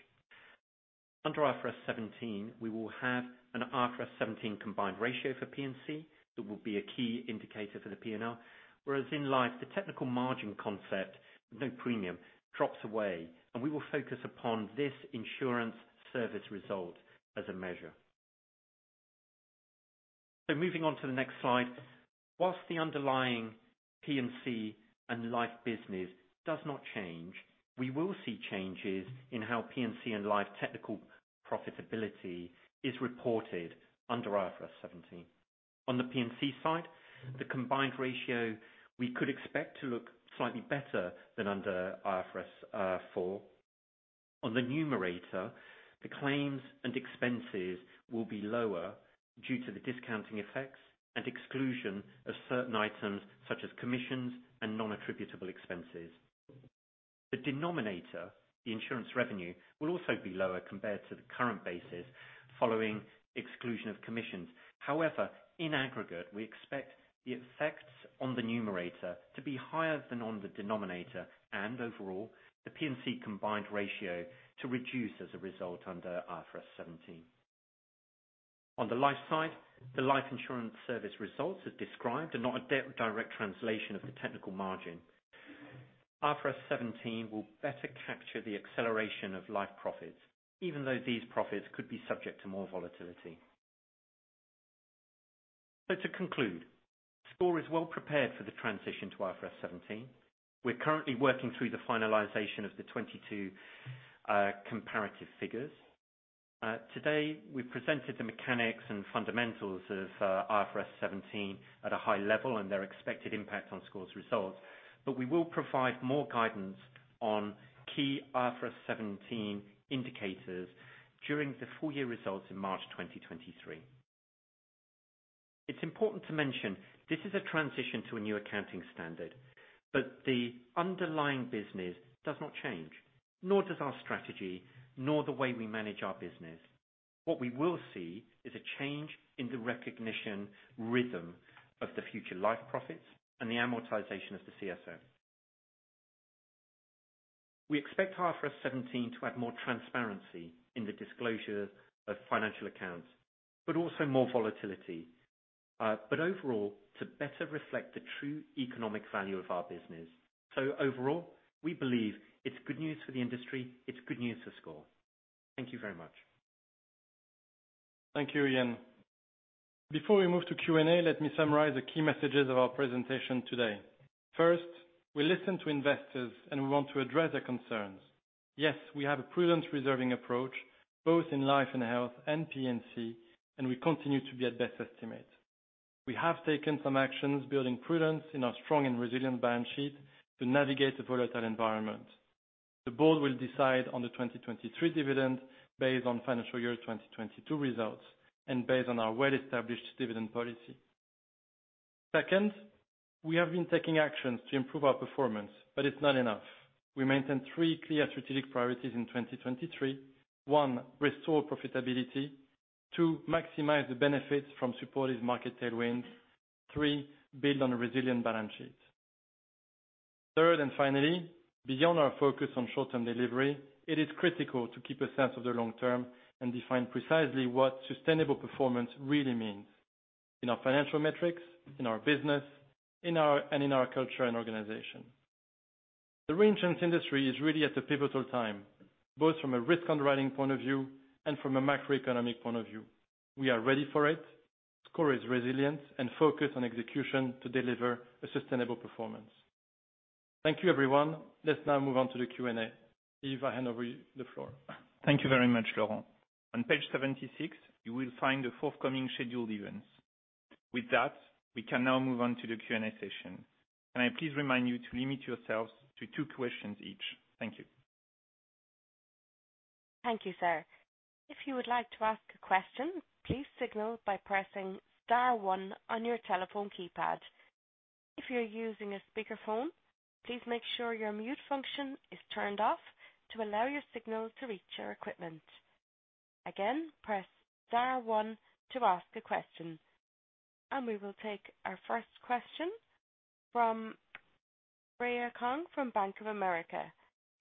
Under IFRS 17, we will have an IFRS 17 combined ratio for P&C that will be a key indicator for the P&L. Whereas in life, the technical margin concept, no premium, drops away, and we will focus upon this insurance service result as a measure. Moving on to the next slide. While the underlying P&C and life business does not change, we will see changes in how P&C and life technical profitability is reported under IFRS 17. On the P&C side, the combined ratio we could expect to look slightly better than under IFRS 4. On the numerator, the claims and expenses will be lower due to the discounting effects and exclusion of certain items such as commissions and non-attributable expenses. The denominator, the insurance revenue, will also be lower compared to the current basis following exclusion of commissions. However, in aggregate, we expect the effects on the numerator to be higher than on the denominator and overall, the P&C combined ratio to reduce as a result under IFRS 17. On the life side, the life insurance service results as described are not a direct translation of the technical margin. IFRS 17 will better capture the acceleration of life profits, even though these profits could be subject to more volatility. To conclude, SCOR is well prepared for the transition to IFRS 17. We're currently working through the finalization of the 2022 comparative figures. Today, we presented the mechanics and fundamentals of IFRS 17 at a high level and their expected impact on SCOR's results. We will provide more guidance on key IFRS 17 indicators during the full year results in March 2023. It's important to mention this is a transition to a new accounting standard. The underlying business does not change, nor does our strategy, nor the way we manage our business. What we will see is a change in the recognition rhythm of the future life profits and the amortization of the CSM. We expect IFRS 17 to add more transparency in the disclosure of financial accounts, but also more volatility. Overall, to better reflect the true economic value of our business. Overall, we believe it's good news for the industry, it's good news for SCOR. Thank you very much. Thank you, Ian. Before we move to Q&A, let me summarize the key messages of our presentation today. First, we listen to investors and we want to address their concerns. Yes, we have a prudent reserving approach, both in life and health and P&C, and we continue to be at best estimate. We have taken some actions building prudence in our strong and resilient balance sheet to navigate the volatile environment. The board will decide on the 2023 dividend based on financial year 2022 results and based on our well-established dividend policy. Second, we have been taking actions to improve our performance, but it's not enough. We maintain three clear strategic priorities in 2023. One, restore profitability. Two, maximize the benefits from supportive market tailwinds. Three, build on a resilient balance sheet. Third and finally, beyond our focus on short-term delivery, it is critical to keep a sense of the long term and define precisely what sustainable performance really means in our financial metrics, in our business, and in our culture and organization. The reinsurance industry is really at a pivotal time, both from a risk underwriting point of view and from a macroeconomic point of view. We are ready for it. SCOR is resilient and focused on execution to deliver a sustainable performance. Thank you, everyone. Let's now move on to the Q&A. Yves, I hand over the floor. Thank you very much, Laurent. On page 76, you will find the forthcoming scheduled events. With that, we can now move on to the Q&A session. Can I please remind you to limit yourselves to two questions each? Thank you. Thank you, sir. If you would like to ask a question, please signal by pressing star one on your telephone keypad. If you're using a speakerphone, please make sure your mute function is turned off to allow your signal to reach our equipment. Again, press star one to ask a question. We will take our first question from Freya Kong from Bank of America.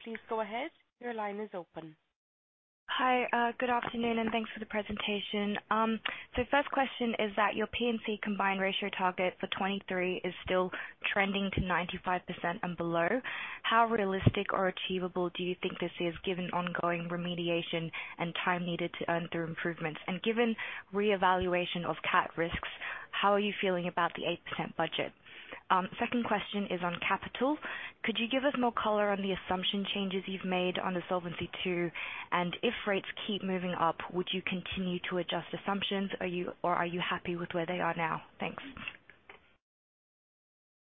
Please go ahead. Your line is open. Hi, good afternoon, and thanks for the presentation. The first question is that your P&C combined ratio target for 2023 is still trending to 95% and below. How realistic or achievable do you think this is given ongoing remediation and time needed to earn through improvements? Given reevaluation of cat risks, how are you feeling about the 8% budget? Second question is on capital. Could you give us more color on the assumption changes you've made on the Solvency II, and if rates keep moving up, would you continue to adjust assumptions? Are you happy with where they are now? Thanks.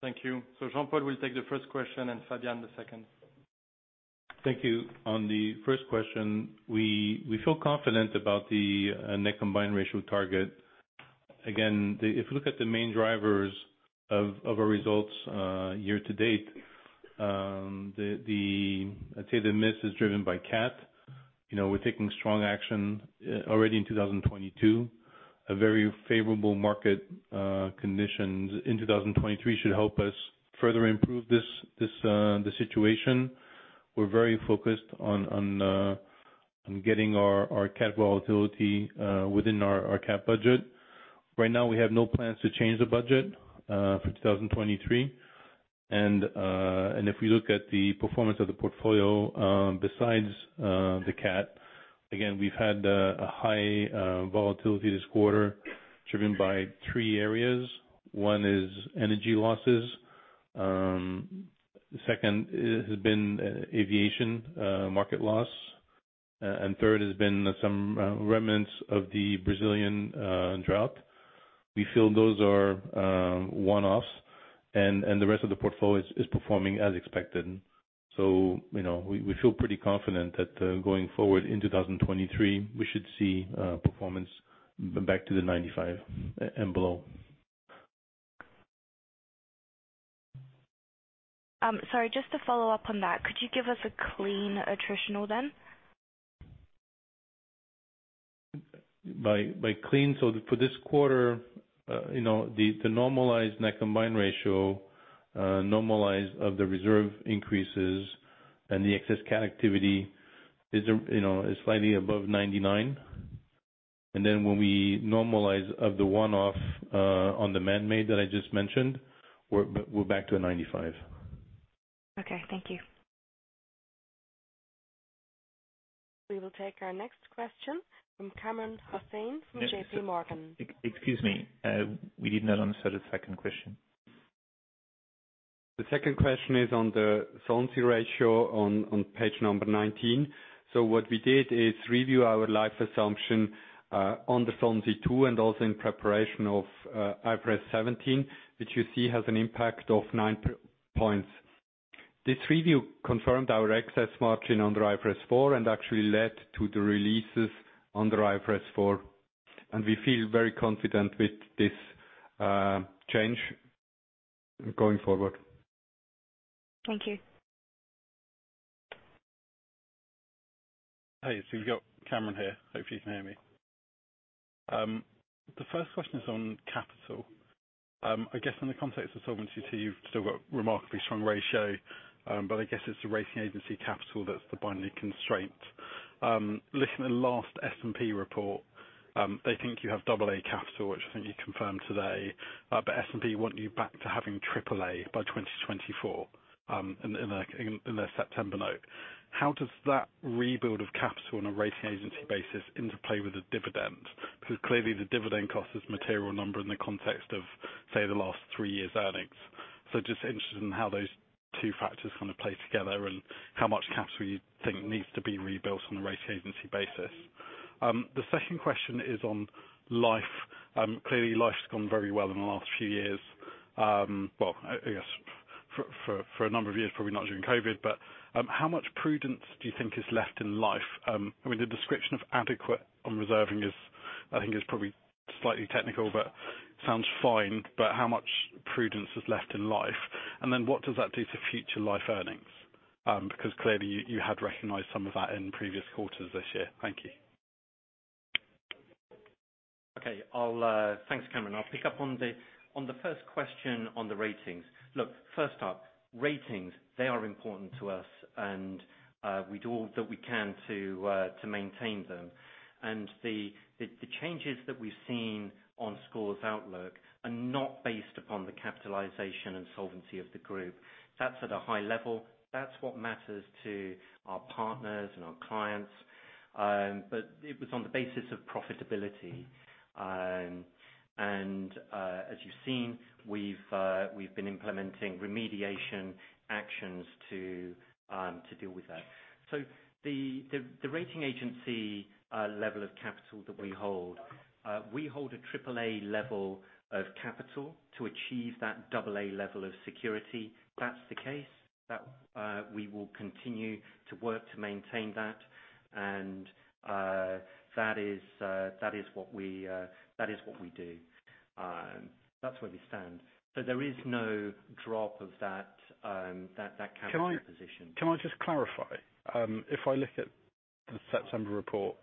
Thank you. Jean-Paul will take the first question and Fabian the second. Thank you. On the first question, we feel confident about the net combined ratio target. Again, if you look at the main drivers of our results year to date, I'd say the miss is driven by cat. You know, we're taking strong action already in 2022. A very favorable market conditions in 2023 should help us further improve the situation. We're very focused on getting our cat volatility within our cat budget. Right now we have no plans to change the budget for 2023. If we look at the performance of the portfolio, besides the cat, again, we've had a high volatility this quarter driven by three areas. One is energy losses. Second has been aviation market loss. Third has been some remnants of the Brazilian drought. We feel those are one-offs and the rest of the portfolio is performing as expected. You know, we feel pretty confident that going forward in 2023, we should see performance back to the 95% and below. Sorry, just to follow up on that, could you give us a clean attritional then? For this quarter, the normalized net combined ratio, normalized for the reserve increases and the excess cat activity, is slightly above 99%. When we normalize for the one-off on the manmade that I just mentioned, we're back to a 95%. Okay, thank you. We will take our next question from Kamran Hossain from JPMorgan. Excuse me. We did not answer the second question. The second question is on the solvency ratio on page number 19. What we did is review our life assumption on the Solvency II, and also in preparation of IFRS 17, which you see has an impact of nine percentage points. This review confirmed our excess margin under IFRS 4 and actually led to the releases under IFRS 4. We feel very confident with this change going forward. Thank you. Hey, so you've got Kamran Hossain here. Hope you can hear me. The first question is on capital. I guess in the context of Solvency II, you've still got remarkably strong ratio, but I guess it's the rating agency capital that's the binding constraint. Listening to the last S&P report, they think you have Double A capital, which I think you confirmed today. But S&P want you back to having Triple A by 2024, in the September note. How does that rebuild of capital on a rating agency basis interplay with the dividend? Because clearly the dividend cost is material number in the context of, say, the last three years' earnings. Just interested in how those two factors kind of play together and how much capital you think needs to be rebuilt on a rating agency basis. The second question is on life. Clearly life has gone very well in the last few years. Well, I guess for a number of years, probably not during COVID, but how much prudence do you think is left in life? I mean, the description of adequacy of reserving is, I think, probably slightly technical, but sounds fine. But how much prudence is left in life? And then what does that do to future life earnings? Because clearly you had recognized some of that in previous quarters this year. Thank you. Okay. Thanks, Kamran. I'll pick up on the first question on the ratings. Look, first up, ratings, they are important to us and we do all that we can to maintain them. The changes that we've seen on SCOR's outlook are not based upon the capitalization and solvency of the group. That's at a high level. That's what matters to our partners and our clients. It was on the basis of profitability. As you've seen, we've been implementing remediation actions to deal with that. The rating agency level of capital that we hold, we hold a Triple A level of capital to achieve that Double A level of security. That's the case that we will continue to work to maintain that. That is what we do. That's where we stand. There is no drop of that capital position. Can I just clarify? If I look at the September report,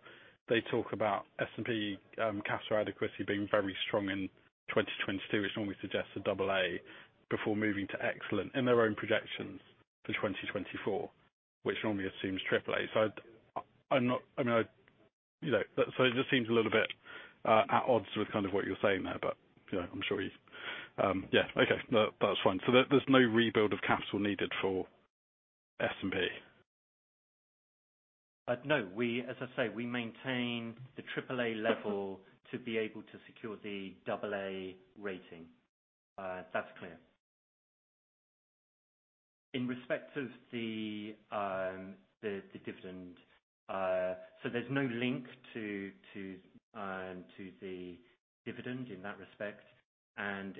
they talk about S&P capital adequacy being very strong in 2022, which normally suggests a Double A before moving to excellent in their own projections for 2024, which normally assumes Triple A. I mean, you know. It just seems a little bit at odds with kind of what you're saying there, but, you know, I'm sure you. Yeah. Okay. No, that's fine. There's no rebuild of capital needed for S&P. No. We, as I say, maintain the Triple-A level to be able to secure the Double-A rating. That's clear. In respect of the dividend. So there's no link to the dividend in that respect.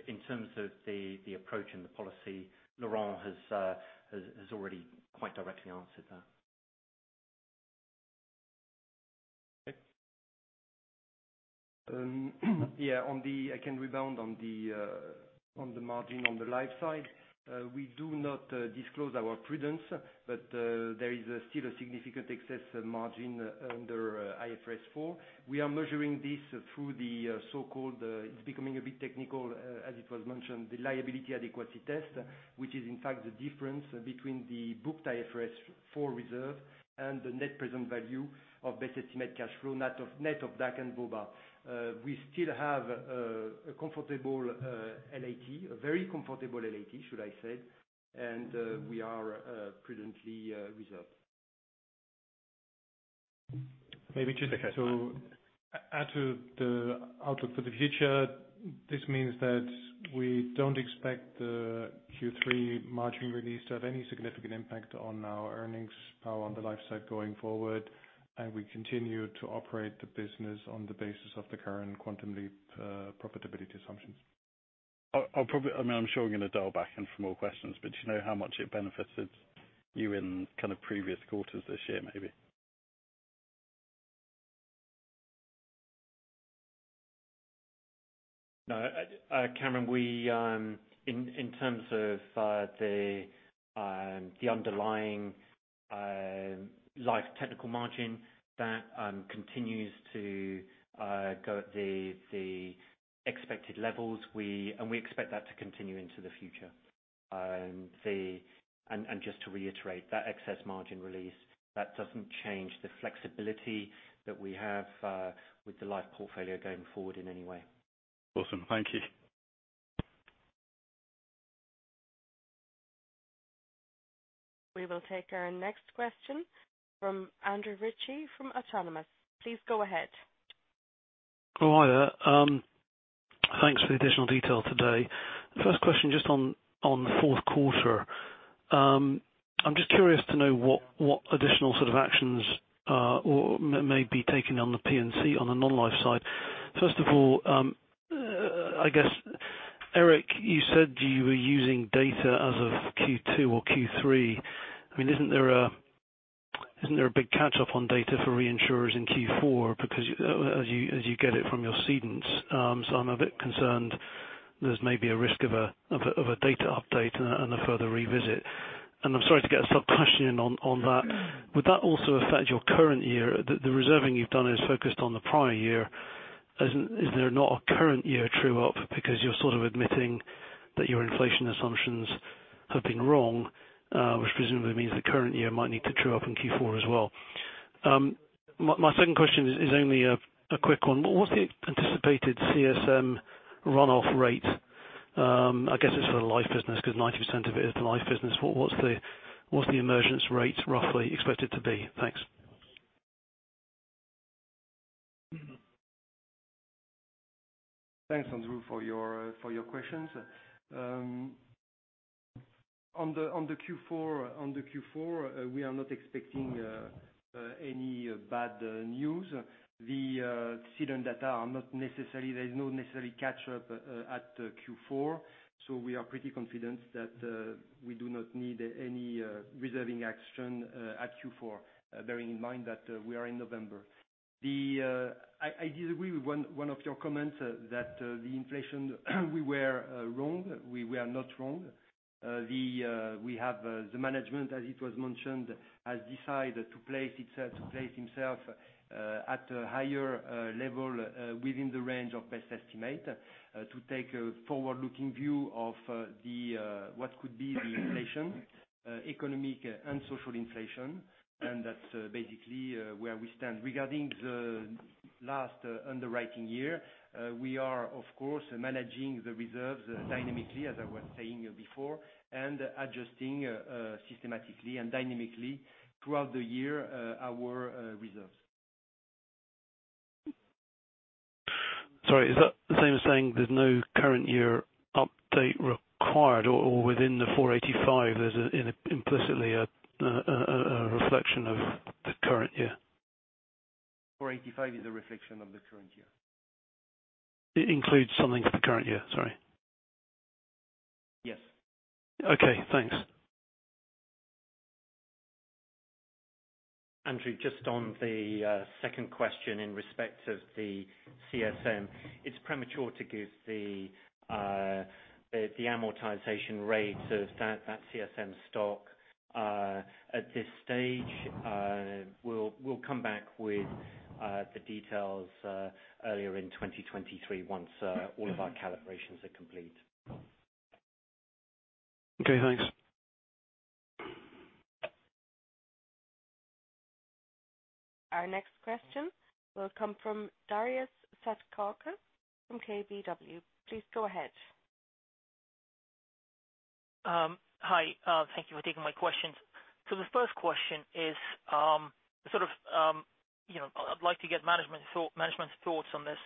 In terms of the approach and the policy, Laurent has already quite directly answered that. Okay. I can rebound on the margin on the life side. We do not disclose our prudence, but there is still a significant excess margin under IFRS 4. We are measuring this through the so-called, it's becoming a bit technical, as it was mentioned, the liability adequacy test, which is in fact the difference between the book IFRS 4 reserve and the net present value of best estimate cash flow net of DAC and VOBA. We still have a comfortable LAT. A very comfortable LAT, should I say. We are prudently reserved. Maybe just so- Okay. Add to the outlook for the future. This means that we don't expect the Q3 margin release to have any significant impact on our earnings power on the life side going forward, and we continue to operate the business on the basis of the current Quantum Leap profitability assumptions. I'll probably, I mean, I'm sure I'm gonna dial back in for more questions, but do you know how much it benefited you in kind of previous quarters this year, maybe? No, Kamran, we in terms of the underlying life technical margin that continues to go at the expected levels. We expect that to continue into the future. Just to reiterate, that excess margin release that doesn't change the flexibility that we have with the life portfolio going forward in any way. Awesome. Thank you. We will take our next question from Andrew Ritchie from Autonomous. Please go ahead. Oh, hi there. Thanks for the additional detail today. First question, just on the fourth quarter. I'm just curious to know what additional sort of actions or may be taken on the P&C on the non-life side. First of all, I guess, Eric, you said you were using data as of Q2 or Q3. I mean, isn't there a big catch-up on data for reinsurers in Q4 because as you get it from your cedents? I'm a bit concerned there's maybe a risk of a data update and a further revisit. I'm sorry to get a sub-question on that. Would that also affect your current year? The reserving you've done is focused on the prior year. Isn't there not a current year true-up because you're sort of admitting that your inflation assumptions have been wrong, which presumably means the current year might need to true up in Q4 as well. My second question is only a quick one. What's the anticipated CSM runoff rate? I guess it's for the life business, 'cause 90% of it is the life business. What's the emergence rate roughly expected to be? Thanks. Thanks, Andrew, for your questions. On the Q4, we are not expecting any bad news. The cedent data are not necessarily, there is no necessary catch-up at Q4, so we are pretty confident that we do not need any reserving action at Q4, bearing in mind that we are in November. I disagree with one of your comments that we were wrong on the inflation. We were not wrong. The management, as it was mentioned, has decided to place itself at a higher level within the range of best estimate to take a forward-looking view of what could be the inflation, economic and social inflation. That's basically where we stand. Regarding the last underwriting year, we are, of course, managing the reserves dynamically, as I was saying before, and adjusting systematically and dynamically throughout the year, our reserves. Sorry, is that the same as saying there's no current year update required or within the 485 there's implicitly a reflection of the current year? 485 is a reflection of the current year. It includes something for the current year? Sorry. Yes. Okay. Thanks. Andrew, just on the second question in respect of the CSM. It's premature to give the amortization rate of that CSM stock at this stage. We'll come back with the details earlier in 2023 once all of our calibrations are complete. Okay, thanks. Our next question will come from Darius Satkauskas from KBW. Please go ahead. Hi. Thank you for taking my questions. The first question is, sort of, you know, I'd like to get management's thoughts on this.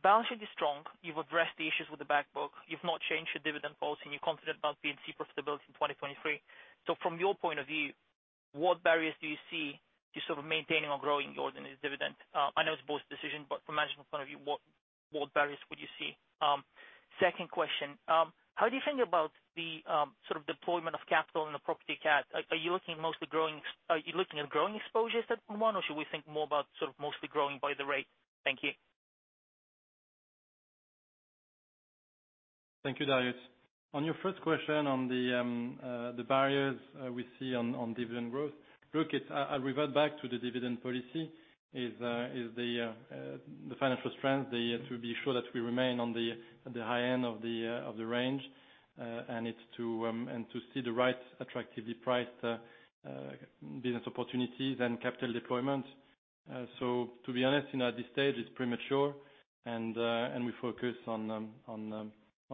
Balance sheet is strong. You've addressed the issues with the back book. You've not changed your dividend policy, and you're confident about P&C profitability in 2023. From your point of view, what barriers do you see to sort of maintaining or growing your dividend? I know it's board's decision, but from management point of view, what barriers would you see? Second question. How do you think about the, sort of deployment of capital in the property CAT? Are you looking mostly growing ex- are you looking at growing exposures at one, or should we think more about sort of mostly growing by the rate? Thank you. Thank you, Darius. On your first question on the barriers we see on dividend growth. Look, I revert back to the dividend policy is the financial strength, to be sure that we remain on the high end of the range. It's to see the right attractively priced business opportunities and capital deployment. To be honest, you know, at this stage it's premature and we focus on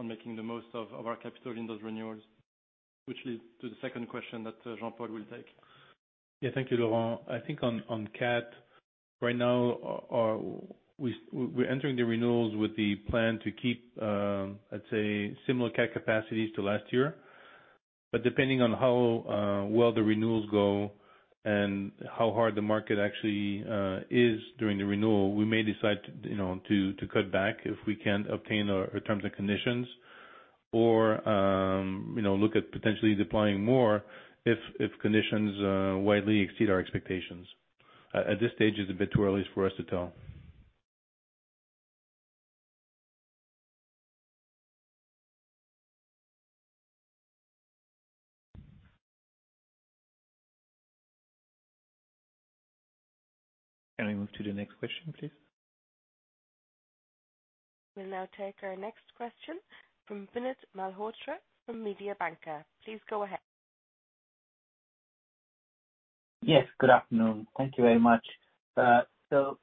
making the most of our capital in those renewals. Which leads to the second question that Jean-Paul will take. Yeah. Thank you, Laurent. I think on CAT right now, we're entering the renewals with the plan to keep, let's say similar CAT capacities to last year. Depending on how well the renewals go and how hard the market actually is during the renewal, we may decide to you know, to cut back if we can't obtain our terms and conditions or, you know, look at potentially deploying more if conditions widely exceed our expectations. At this stage, it's a bit too early for us to tell. Can we move to the next question, please? We'll now take our next question from Vinit Malhotra from Mediobanca. Please go ahead. Yes, good afternoon. Thank you very much.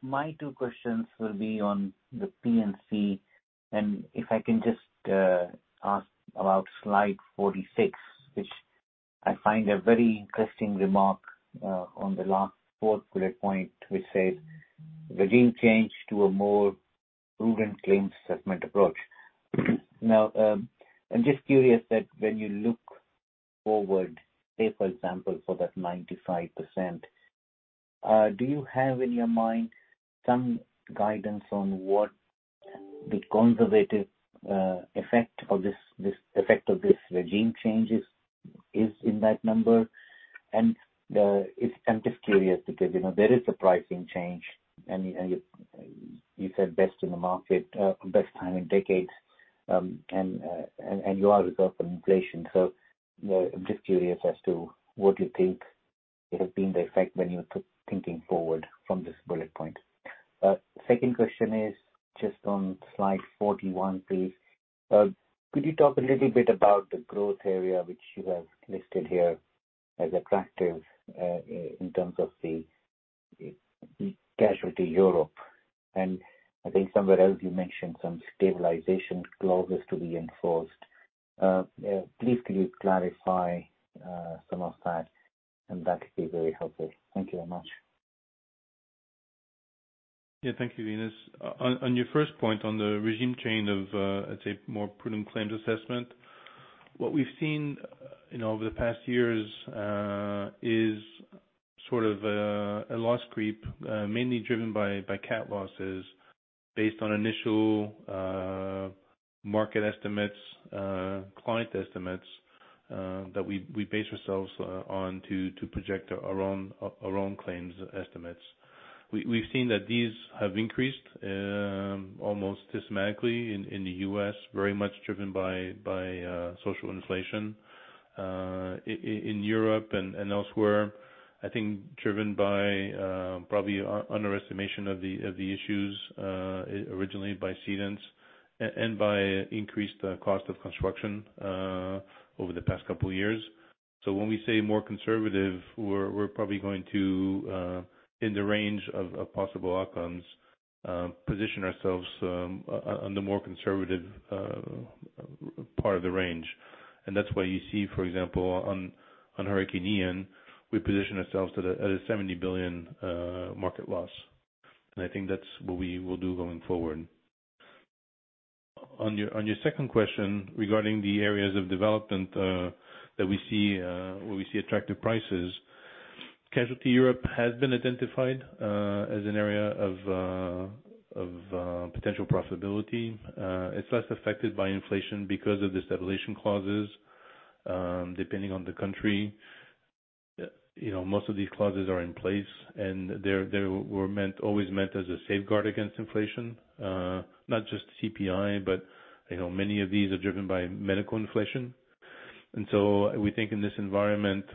My two questions will be on the P&C, and if I can just ask about slide 46, which I find a very interesting remark on the last fourth bullet point, which says, "Regime change to a more prudent claims assessment approach." Now, I'm just curious that when you look forward, say for example, for that 95%, do you have in your mind some guidance on what the conservative effect of this regime change is in that number? I'm just curious because, you know, there is a pricing change, and you said best in the market, best time in decades. You are reserving for inflation. You know, I'm just curious as to what you think it has been the effect when you're thinking forward from this bullet point. Second question is just on slide 41, please. Could you talk a little bit about the growth area which you have listed here as attractive in terms of the Casualty Europe? And I think somewhere else you mentioned some stabilization clauses to be enforced. Please could you clarify some of that, and that would be very helpful. Thank you very much. Yeah, thank you, Vinit. On your first point on the regime change of, let's say more prudent claims assessment, what we've seen, you know, over the past years, is sort of a loss creep, mainly driven by CAT losses based on initial market estimates, client estimates, that we base ourselves on to project our own claims estimates. We've seen that these have increased almost systematically in the U.S., very much driven by social inflation, in Europe and elsewhere, I think driven by probably underestimation of the issues originally by cedents and by increased cost of construction over the past couple of years. When we say more conservative, we're probably going to in the range of possible outcomes position ourselves on the more conservative part of the range. That's why you see, for example, on Hurricane Ian, we position ourselves at a $70 billion market loss. I think that's what we will do going forward. On your second question regarding the areas of development that we see where we see attractive prices, Casualty Europe has been identified as an area of potential profitability. It's less affected by inflation because of the stabilization clauses depending on the country. You know, most of these clauses are in place, and they were always meant as a safeguard against inflation. Not just CPI, but I know many of these are driven by medical inflation. We think in this environment,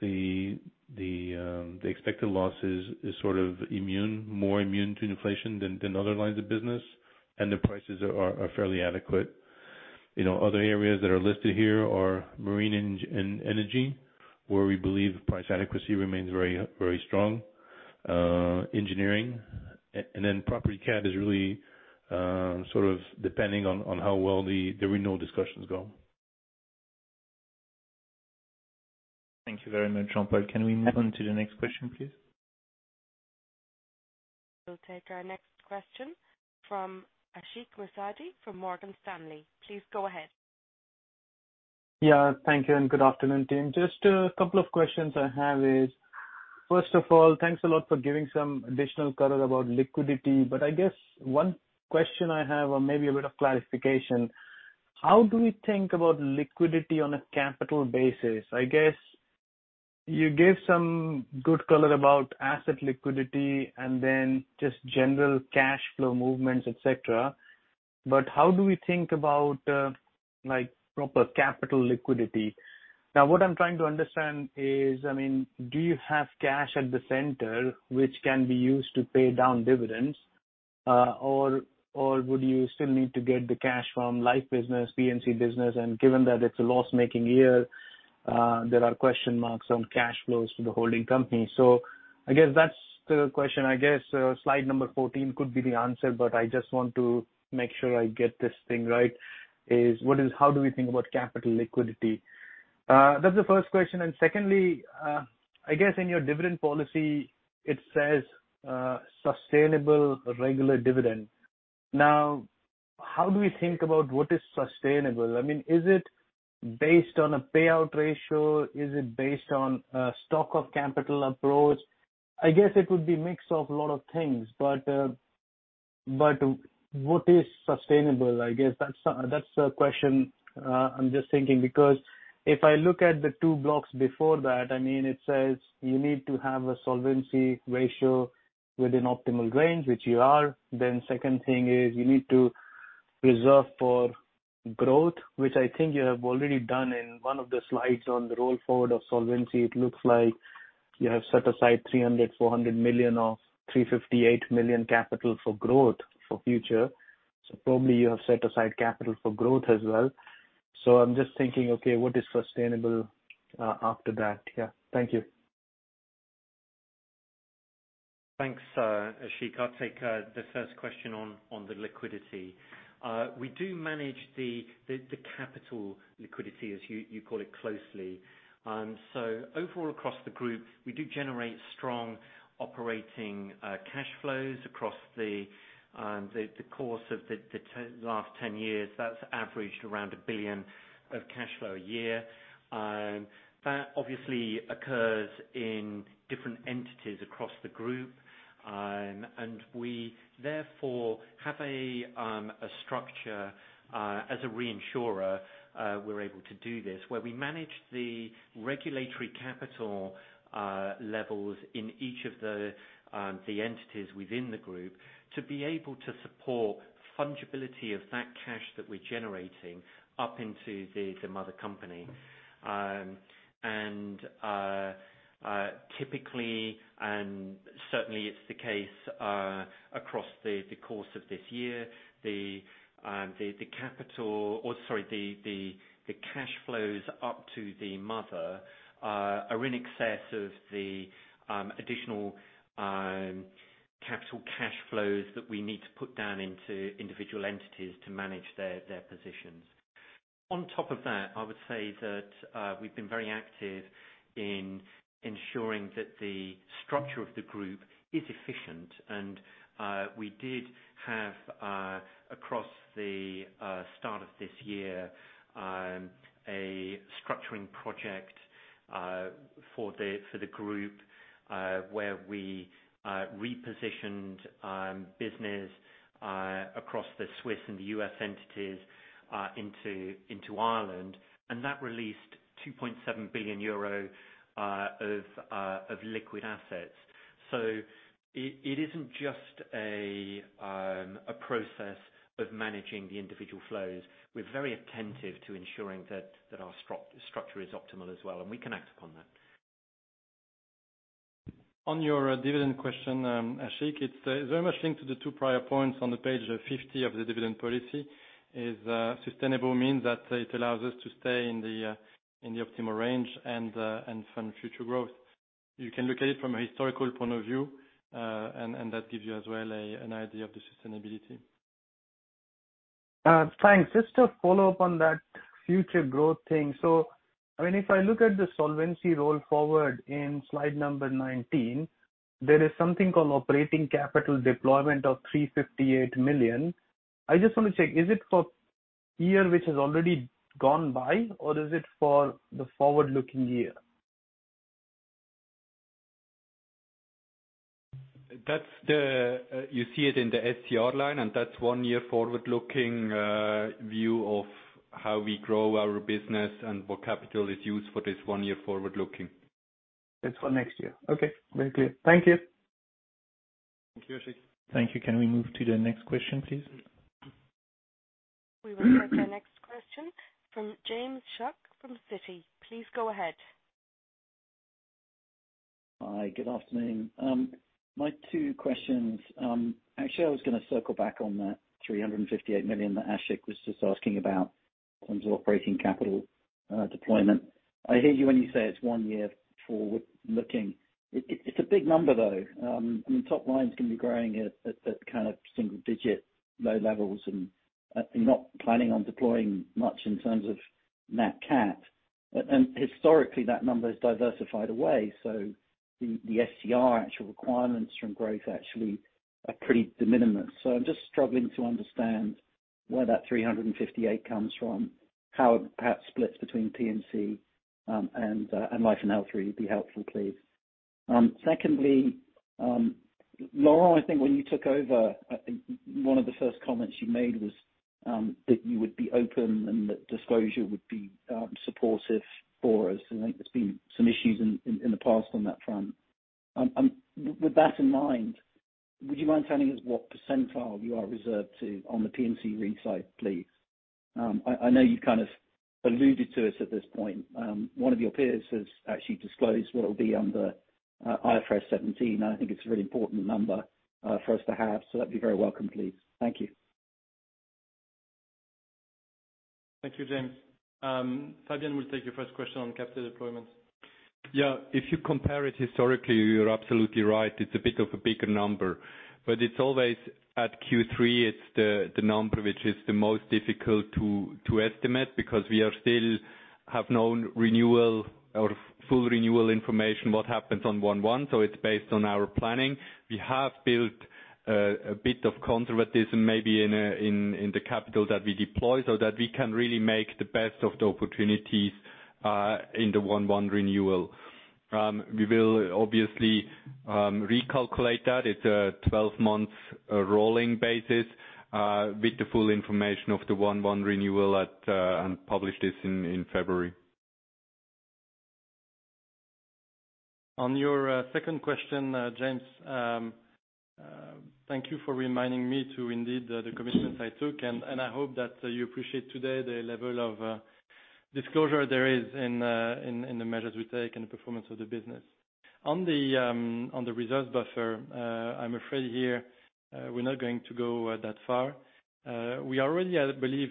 the expected losses is sort of immune, more immune to inflation than other lines of business, and the prices are fairly adequate. You know, other areas that are listed here are marine energy, where we believe price adequacy remains very, very strong, engineering. And then property cat is really, sort of depending on how well the renewal discussions go. Thank you very much, Jean-Paul. Can we move on to the next question, please? We'll take our next question from Ashik Musaddi from Morgan Stanley. Please go ahead. Yeah, thank you and good afternoon, team. Just a couple of questions I have is, first of all, thanks a lot for giving some additional color about liquidity. I guess one question I have, or maybe a bit of clarification, how do we think about liquidity on a capital basis? I guess you gave some good color about asset liquidity and then just general cash flow movements, et cetera. But how do we think about, like proper capital liquidity? Now, what I'm trying to understand is, I mean, do you have cash at the center which can be used to pay down dividends? Or would you still need to get the cash from life business, P&C business? Given that it's a loss-making year, there are question marks on cash flows to the holding company. I guess that's the question. I guess slide number 14 could be the answer, but I just want to make sure I get this thing right. How do we think about capital liquidity? That's the first question. Secondly, I guess in your dividend policy, it says sustainable regular dividend. Now, how do we think about what is sustainable? I mean, is it based on a payout ratio? Is it based on a stock of capital approach? I guess it would be a mix of a lot of things, but what is sustainable? I guess that's a question. I'm just thinking, because if I look at the two blocks before that, I mean, it says you need to have a solvency ratio within optimal range, which you are. Second thing is you need to reserve for growth, which I think you have already done in one of the slides on the roll forward of Solvency. It looks like you have set aside 300-400 million of 358 million capital for growth for future. Probably you have set aside capital for growth as well. I'm just thinking, okay, what is sustainable after that? Yeah. Thank you. Thanks, Ashik. I'll take the first question on the liquidity. We do manage the capital liquidity, as you call it, closely. Overall across the group, we do generate strong operating cash flows across the course of the last 10 years. That's averaged around 1 billion of cash flow a year. That obviously occurs in different entities across the group. We therefore have a structure as a reinsurer, where we're able to do this, where we manage the regulatory capital levels in each of the entities within the group to be able to support fungibility of that cash that we're generating up into the mother company. Typically, and certainly it's the case across the course of this year, the cash flows up to the mother are in excess of the additional capital cash flows that we need to put down into individual entities to manage their positions. On top of that, I would say that we've been very active in ensuring that the structure of the group is efficient. We did have across the start of this year a structuring project for the group where we repositioned business across the Swiss and the U.S. entities into Ireland, and that released 2.7 billion euro of liquid assets. It isn't just a process of managing the individual flows. We're very attentive to ensuring that our structure is optimal as well, and we can act upon that. On your dividend question, Ashik, it's very much linked to the two prior points on the page 50 of the dividend policy. Sustainable means that it allows us to stay in the optimal range and fund future growth. You can look at it from a historical point of view, and that gives you as well an idea of the sustainability. Thanks. Just to follow up on that future growth thing. I mean, if I look at the Solvency roll forward in slide number 19, there is something called operating capital deployment of 358 million. I just want to check, is it for year which has already gone by, or is it for the forward-looking year? That's the. You see it in the SCR line, and that's one year forward-looking view of how we grow our business and what capital is used for this one year forward-looking. It's for next year. Okay, very clear. Thank you. Thank you, Ashik. Thank you. Can we move to the next question, please? We will take our next question from James Shuck from Citi. Please go ahead. Hi, good afternoon. My two questions. Actually, I was gonna circle back on that 358 million that Ashik was just asking about in terms of operating capital deployment. I hear you when you say it's one year forward-looking. It's a big number, though. I mean, top line's gonna be growing at kind of single-digit low levels and not planning on deploying much in terms of nat cat. Historically, that number is diversified away, so the SCR actual requirements from growth actually are pretty de minimis. I'm just struggling to understand where that 358 million comes from, how it perhaps splits between P&C and life and health review would be helpful, please. Secondly, Laurent, I think when you took over, I think one of the first comments you made was that you would be open and that disclosure would be supportive for us. I think there's been some issues in the past on that front. With that in mind, would you mind telling us what percentile you are reserved to on the P&C re side, please? I know you've kind of alluded to it at this point. One of your peers has actually disclosed what it'll be under IFRS 17, and I think it's a really important number for us to have. That'd be very welcome, please. Thank you. Thank you, James. Fabian will take your first question on capital deployment. Yeah. If you compare it historically, you're absolutely right. It's a bit of a bigger number. It's always at Q3, it's the number which is the most difficult to estimate because we are still have no renewal or full renewal information what happens on 1/1, so it's based on our planning. We have built a bit of conservatism maybe in the capital that we deploy so that we can really make the best of the opportunities in the 1/1 renewal. We will obviously recalculate that. It's a twelve-month rolling basis with the full information of the 1/1 renewal at, and publish this in February. On your second question, James, thank you for reminding me to indeed the commitments I took. I hope that you appreciate today the level of disclosure there is in the measures we take and the performance of the business. On the reserve buffer, I'm afraid here, we're not going to go that far. We are really, I believe,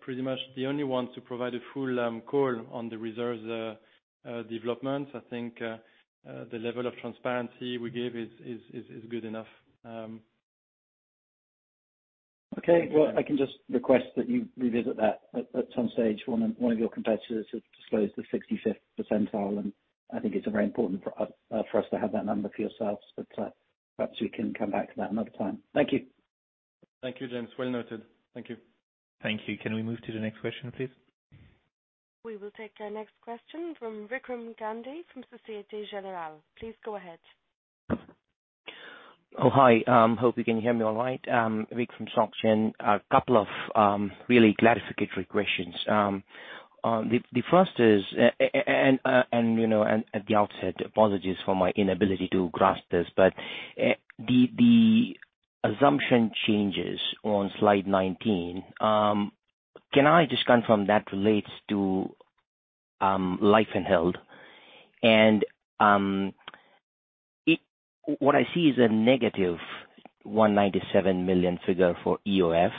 pretty much the only ones to provide a full call on the reserves development. I think the level of transparency we give is good enough. Okay. Well, I can just request that you revisit that at some stage. One of your competitors has disclosed the 60/50 percentile, and I think it's a very important for us to have that number for yourselves. Perhaps we can come back to that another time. Thank you. Thank you, James Shuck. Well noted. Thank you. Thank you. Can we move to the next question, please? We will take our next question from Vikram Gandhi from Société Générale. Please go ahead. Oh, hi. Hope you can hear me all right. Vik from SocGen. A couple of really clarificatory questions. The first is, and you know, at the outset, apologies for my inability to grasp this. The assumption changes on slide 19. Can I just confirm that relates to life and health? What I see is a -197 million figure for EOF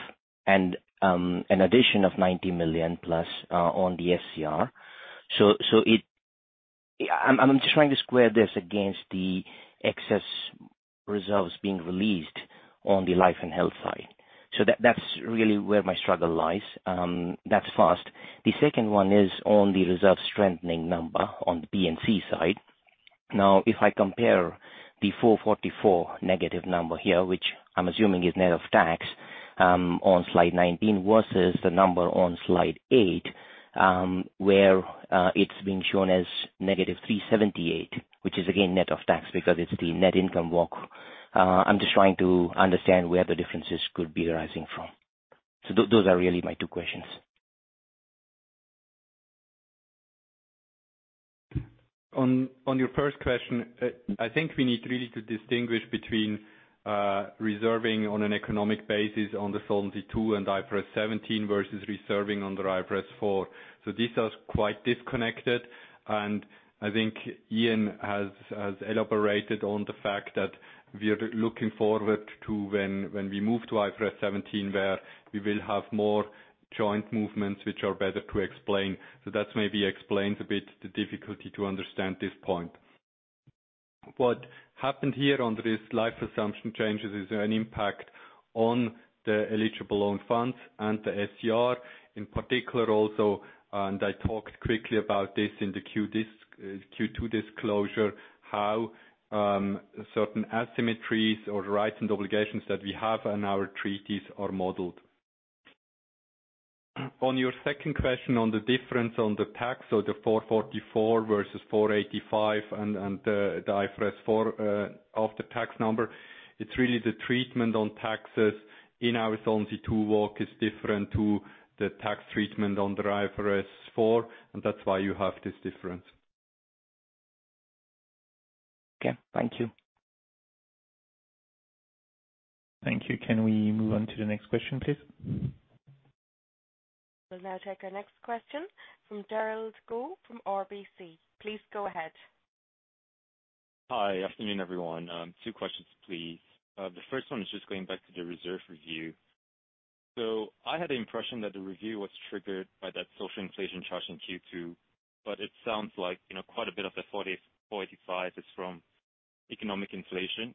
and an addition of 90+ million on the SCR. So it. I'm just trying to square this against the excess results being released on the life and health side. That's really where my struggle lies. That's first. The second one is on the reserve strengthening number on the P&C side. Now, if I compare the -444 number here, which I'm assuming is net of tax, on slide 19, versus the number on slide eight, where it's being shown as -378, which is again net of tax because it's the net income walk. I'm just trying to understand where the differences could be arising from. Those are really my two questions. On your first question, I think we need really to distinguish between reserving on an economic basis on the Solvency II and IFRS 17 versus reserving under IFRS 4. These are quite disconnected, and I think Ian has elaborated on the fact that we are looking forward to when we move to IFRS 17, where we will have more joint movements which are better to explain. That's maybe explains a bit the difficulty to understand this point. What happened here on this life assumption changes is an impact on the eligible own funds and the SCR in particular also, and I talked quickly about this in the Q2 disclosure, how certain asymmetries or rights and obligations that we have in our treaties are modeled. On your second question on the difference on the tax, the 4.44% versus 4.85% and the IFRS 4 of the tax number, it's really the treatment on taxes in our Solvency II work is different to the tax treatment on the IFRS 4, and that's why you have this difference. Okay. Thank you. Thank you. Can we move on to the next question, please? We'll now take our next question from Derald Goh from RBC. Please go ahead. Hi. Afternoon, everyone. Two questions please. The first one is just going back to the reserve review. I had the impression that the review was triggered by that social inflation charge in Q2, but it sounds like, you know, quite a bit of the 4,485 is from economic inflation.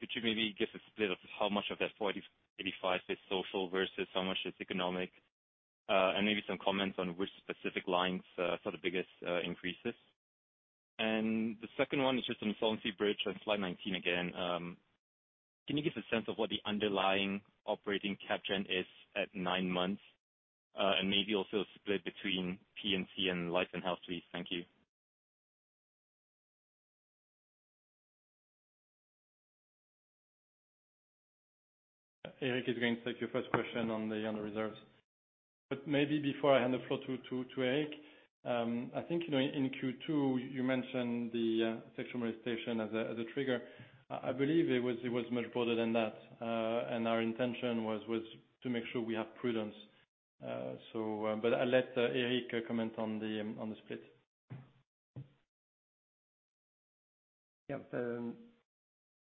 Could you maybe give a split of how much of that 4,085 is social versus how much is economic? And maybe some comments on which specific lines saw the biggest increases. The second one is just on Solvency Bridge on slide 19 again. Can you give a sense of what the underlying operating CapGen is at nine months, and maybe also a split between P&C and life and health, please? Thank you. Eric is going to take your first question on the reserves. Maybe before I hand the floor to Eric, I think, you know, in Q2 you mentioned the social inflation as a trigger. I believe it was much broader than that. Our intention was to make sure we have prudence. I'll let Eric comment on the split. Yeah.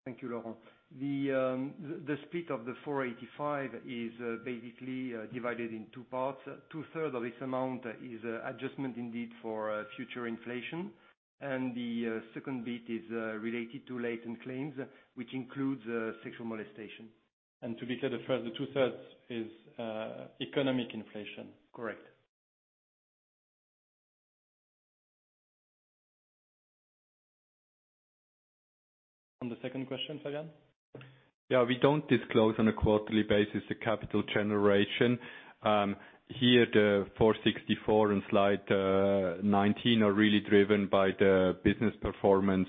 Thank you, Laurent. The split of the 485 is basically divided in two parts. Two-thirds of this amount is adjustment indeed for future inflation. The second bit is related to latent claims, which includes sexual molestation. To be clear, the first two-thirds is economic inflation. Correct. On the second question, Fabian? Yeah. We don't disclose on a quarterly basis the capital generation. Here, the 464 in slide 19 are really driven by the business performance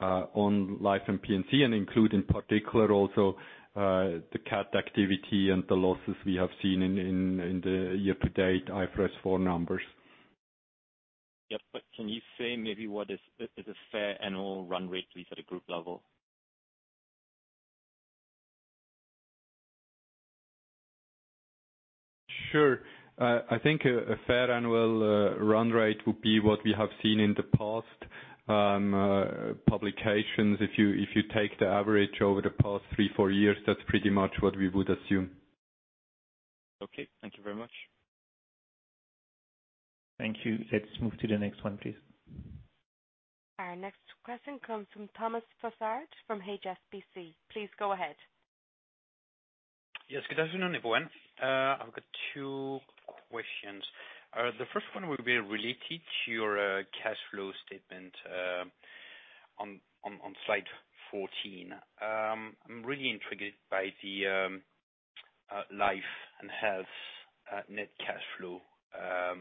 on life and P&C and include in particular also the CAT activity and the losses we have seen in the year to date IFRS 4 numbers. Can you say maybe what is a fair annual run rate please, at a group level? Sure. I think a fair annual run rate would be what we have seen in the past publications. If you take the average over the past three-four years, that's pretty much what we would assume. Okay. Thank you very much. Thank you. Let's move to the next one, please. Our next question comes from Thomas Fossard from HSBC. Please go ahead. Yes. Good afternoon, everyone. I've got two questions. The first one will be related to your cash flow statement on slide 14. I'm really intrigued by the life and health net cash flow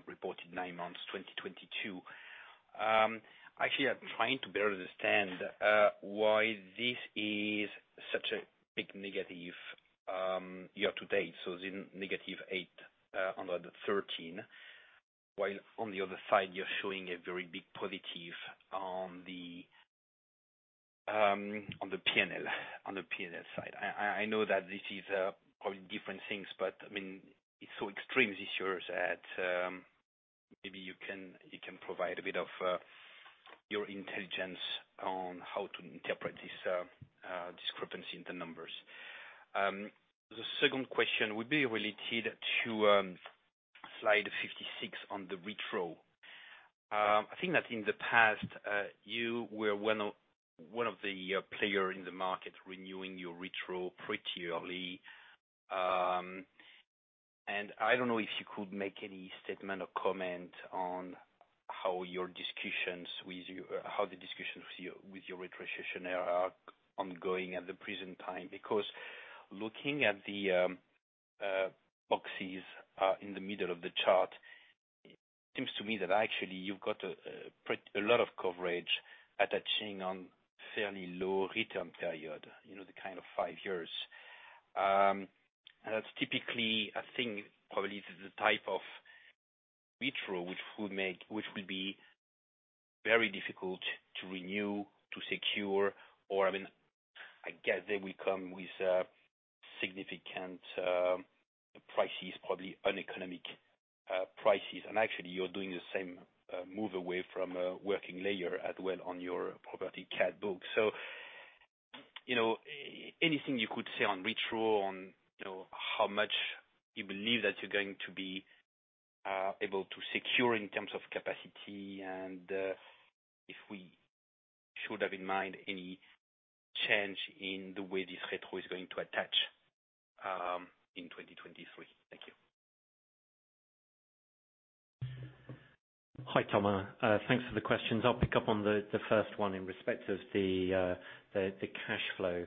reported nine months 2022. Actually, I'm trying to better understand why this is such a big negative year to date, so the -8 under the 13. While on the other side, you're showing a very big positive on the P&L, on the P&L side. I know that this is probably different things, but I mean, it's so extreme this year that maybe you can provide a bit of your intelligence on how to interpret this discrepancy in the numbers. The second question would be related to slide 56 on the retro. I think that in the past, you were one of the players in the market renewing your retro pretty early. I don't know if you could make any statement or comment on how the discussions with your retrocession are ongoing at the present time. Because looking at the boxes in the middle of the chart, it seems to me that actually you've got a lot of coverage attaching on fairly low return period, you know, the kind of five years. That's typically a thing, probably this is the type of retro which would make, which will be very difficult to renew, to secure or, I mean, I guess they will come with, significant prices, probably uneconomic prices. And actually you're doing the same, move away from working layer as well on your property cat book. You know, anything you could say on retro on, you know, how much you believe that you're going to be able to secure in terms of capacity, and, if we should have in mind any change in the way this retro is going to attach, in 2023. Thank you. Hi, Thomas. Thanks for the questions. I'll pick up on the first one in respect of the cash flow.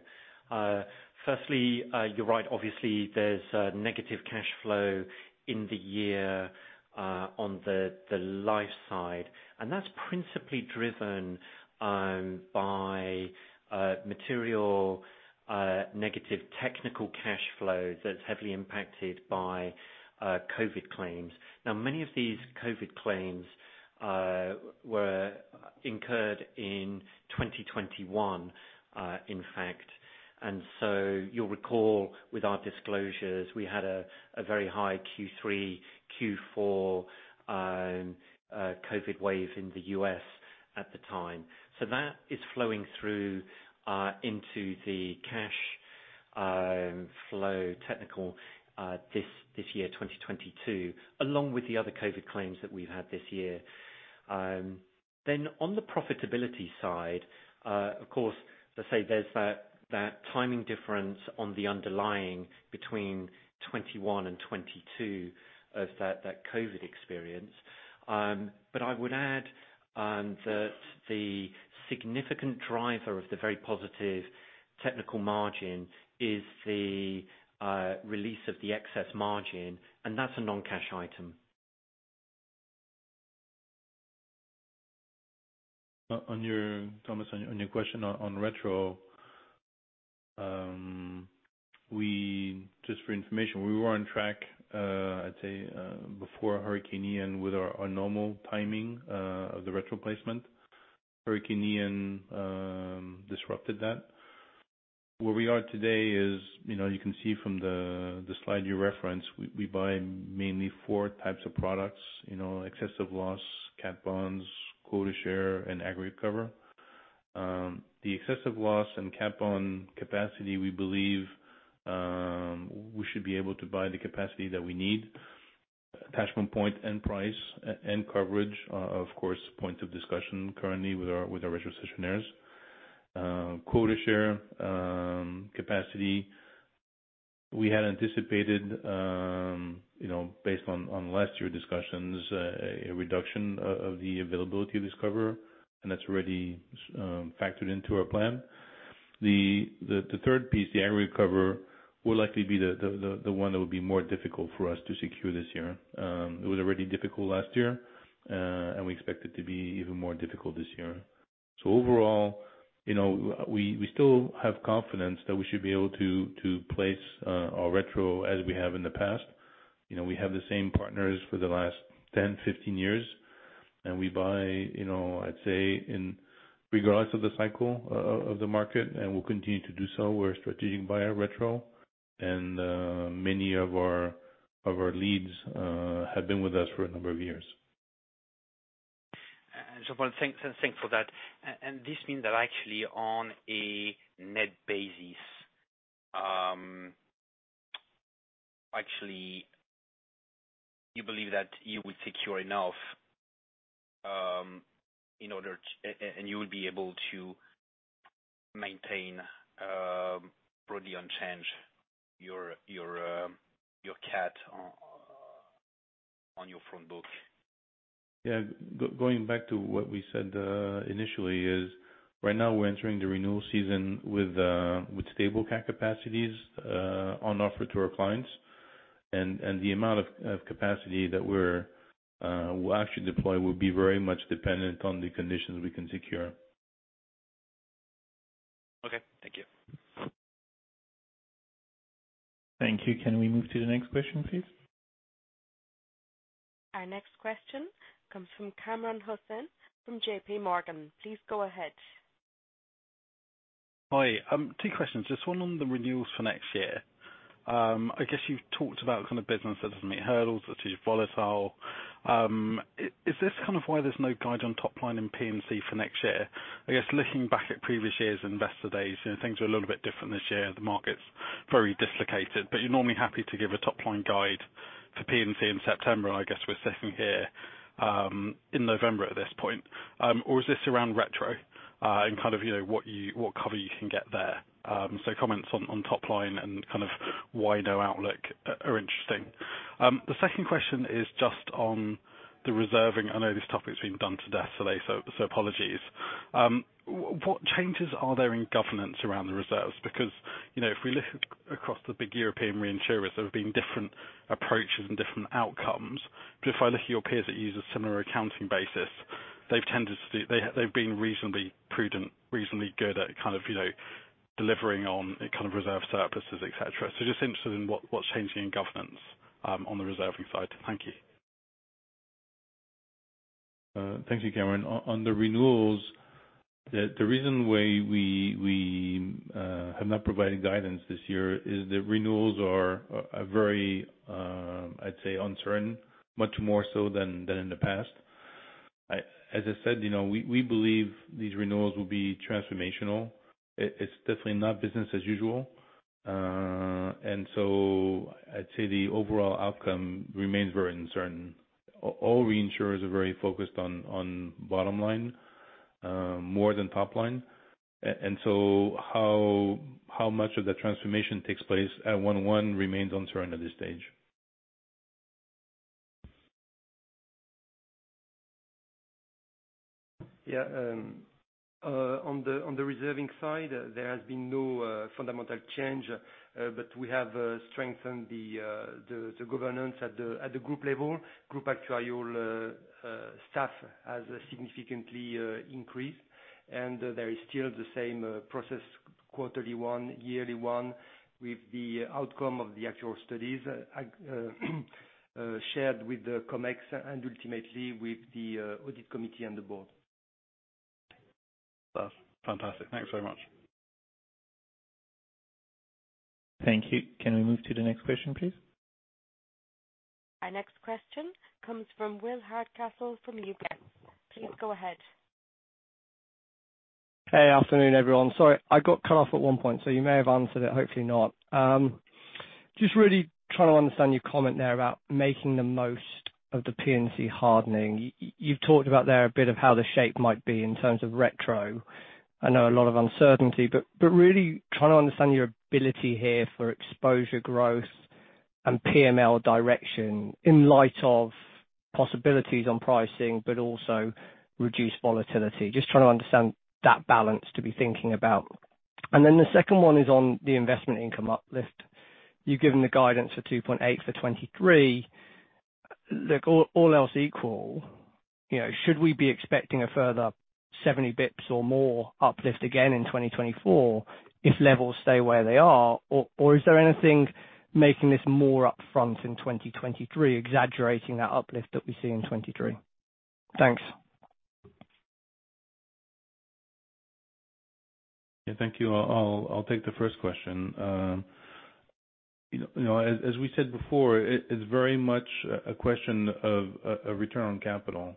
Firstly, you're right, obviously there's a negative cash flow in the year on the life side, and that's principally driven by material negative technical cash flows that's heavily impacted by COVID claims. Now, many of these COVID claims were incurred in 2021, in fact, and so you'll recall with our disclosures, we had a very high Q3, Q4 COVID wave in the U.S. at the time. That is flowing through into the cash flow technical this year, 2022, along with the other COVID claims that we've had this year. On the profitability side, of course, let's say there's that timing difference on the underlying between 21 and 22 of that COVID experience. I would add that the significant driver of the very positive technical margin is the release of the excess margin, and that's a non-cash item. On your question on retro, Thomas. We just for information were on track, I'd say, before Hurricane Ian with our normal timing of the retro placement. Hurricane Ian disrupted that. Where we are today is, you know, you can see from the slide you referenced, we buy mainly four types of products. You know, excess of loss, cat bonds, quota share, and aggregate cover. The excess of loss and cat bond capacity, we believe, we should be able to buy the capacity that we need. Attachment point and price and coverage are, of course, points of discussion currently with our retrocessionaires. Quota share capacity, we had anticipated, you know, based on last year discussions, a reduction of the availability of this cover, and that's already factored into our plan. The third piece, the aggregate cover, will likely be the one that will be more difficult for us to secure this year. It was already difficult last year, and we expect it to be even more difficult this year. Overall, you know, we still have confidence that we should be able to place our retro as we have in the past. You know, we have the same partners for the last 10, 15 years, and we buy, you know, I'd say in regardless of the cycle of the market, and we'll continue to do so. We're a strategic buyer of retro and many of our leads have been with us for a number of years. Well, thanks for that. This means that actually on a net basis, actually you believe that you will secure enough in order to and you will be able to maintain broadly unchanged your cat on your front book. Going back to what we said initially, is right now we're entering the renewal season with stable cat capacities on offer to our clients. The amount of capacity that we'll actually deploy will be very much dependent on the conditions we can secure. Okay. Thank you. Thank you. Can we move to the next question, please? Our next question comes from Kamran Hossain from JPMorgan. Please go ahead. Hi. Two questions. Just one on the renewals for next year. I guess you've talked about kind of business that doesn't meet hurdles, that is volatile. Is this kind of why there's no guide on top line in P&C for next year? I guess looking back at previous years' investor days, you know, things are a little bit different this year. The market's very dislocated. You're normally happy to give a top-line guide to P&C in September, and I guess we're sitting here in November at this point. Is this around retro and kind of, you know, what cover you can get there? Comments on top line and kind of why no outlook are interesting. The second question is just on the reserving. I know this topic's been done to death today, so apologies. What changes are there in governance around the reserves? Because, you know, if we look across the big European reinsurers, there have been different approaches and different outcomes. If I look at your peers that use a similar accounting basis, they've tended to be reasonably prudent, reasonably good at kind of, you know, delivering on kind of reserve surpluses, et cetera. Just interested in what's changing in governance on the reserving side. Thank you. Thank you, Kamran. On the renewals, the reason why we have not provided guidance this year is that renewals are very uncertain, much more so than in the past. As I said, you know, we believe these renewals will be transformational. It's definitely not business as usual. I'd say the overall outcome remains very uncertain. All reinsurers are very focused on bottom line more than top line. How much of the transformation takes place at one remains uncertain at this stage. Yeah. On the reserving side, there has been no fundamental change. We have strengthened the governance at the group level. Group actuarial staff has significantly increased, and there is still the same process quarterly one, yearly one with the outcome of the actuarial studies shared with the Comex and ultimately with the audit committee and the board. That's fantastic. Thanks very much. Thank you. Can we move to the next question, please? Our next question comes from Will Hardcastle from UBS. Please go ahead. Hey. Afternoon, everyone. Sorry, I got cut off at one point, so you may have answered it, hopefully not. Just really trying to understand your comment there about making the most of the P&C hardening. You've talked about there a bit of how the shape might be in terms of retro. I know a lot of uncertainty, but really trying to understand your ability here for exposure growth and PML direction in light of possibilities on pricing, but also reduced volatility. Just trying to understand that balance to be thinking about. Then the second one is on the investment income uplift. You've given the guidance for 2.8 for 2023. Look, all else equal, you know, should we be expecting a further 70 basis points or more uplift again in 2024 if levels stay where they are? Is there anything making this more upfront in 2023 exaggerating that uplift that we see in 2023? Thanks. Yeah, thank you. I'll take the first question. You know, as we said before, it is very much a question of a return on capital.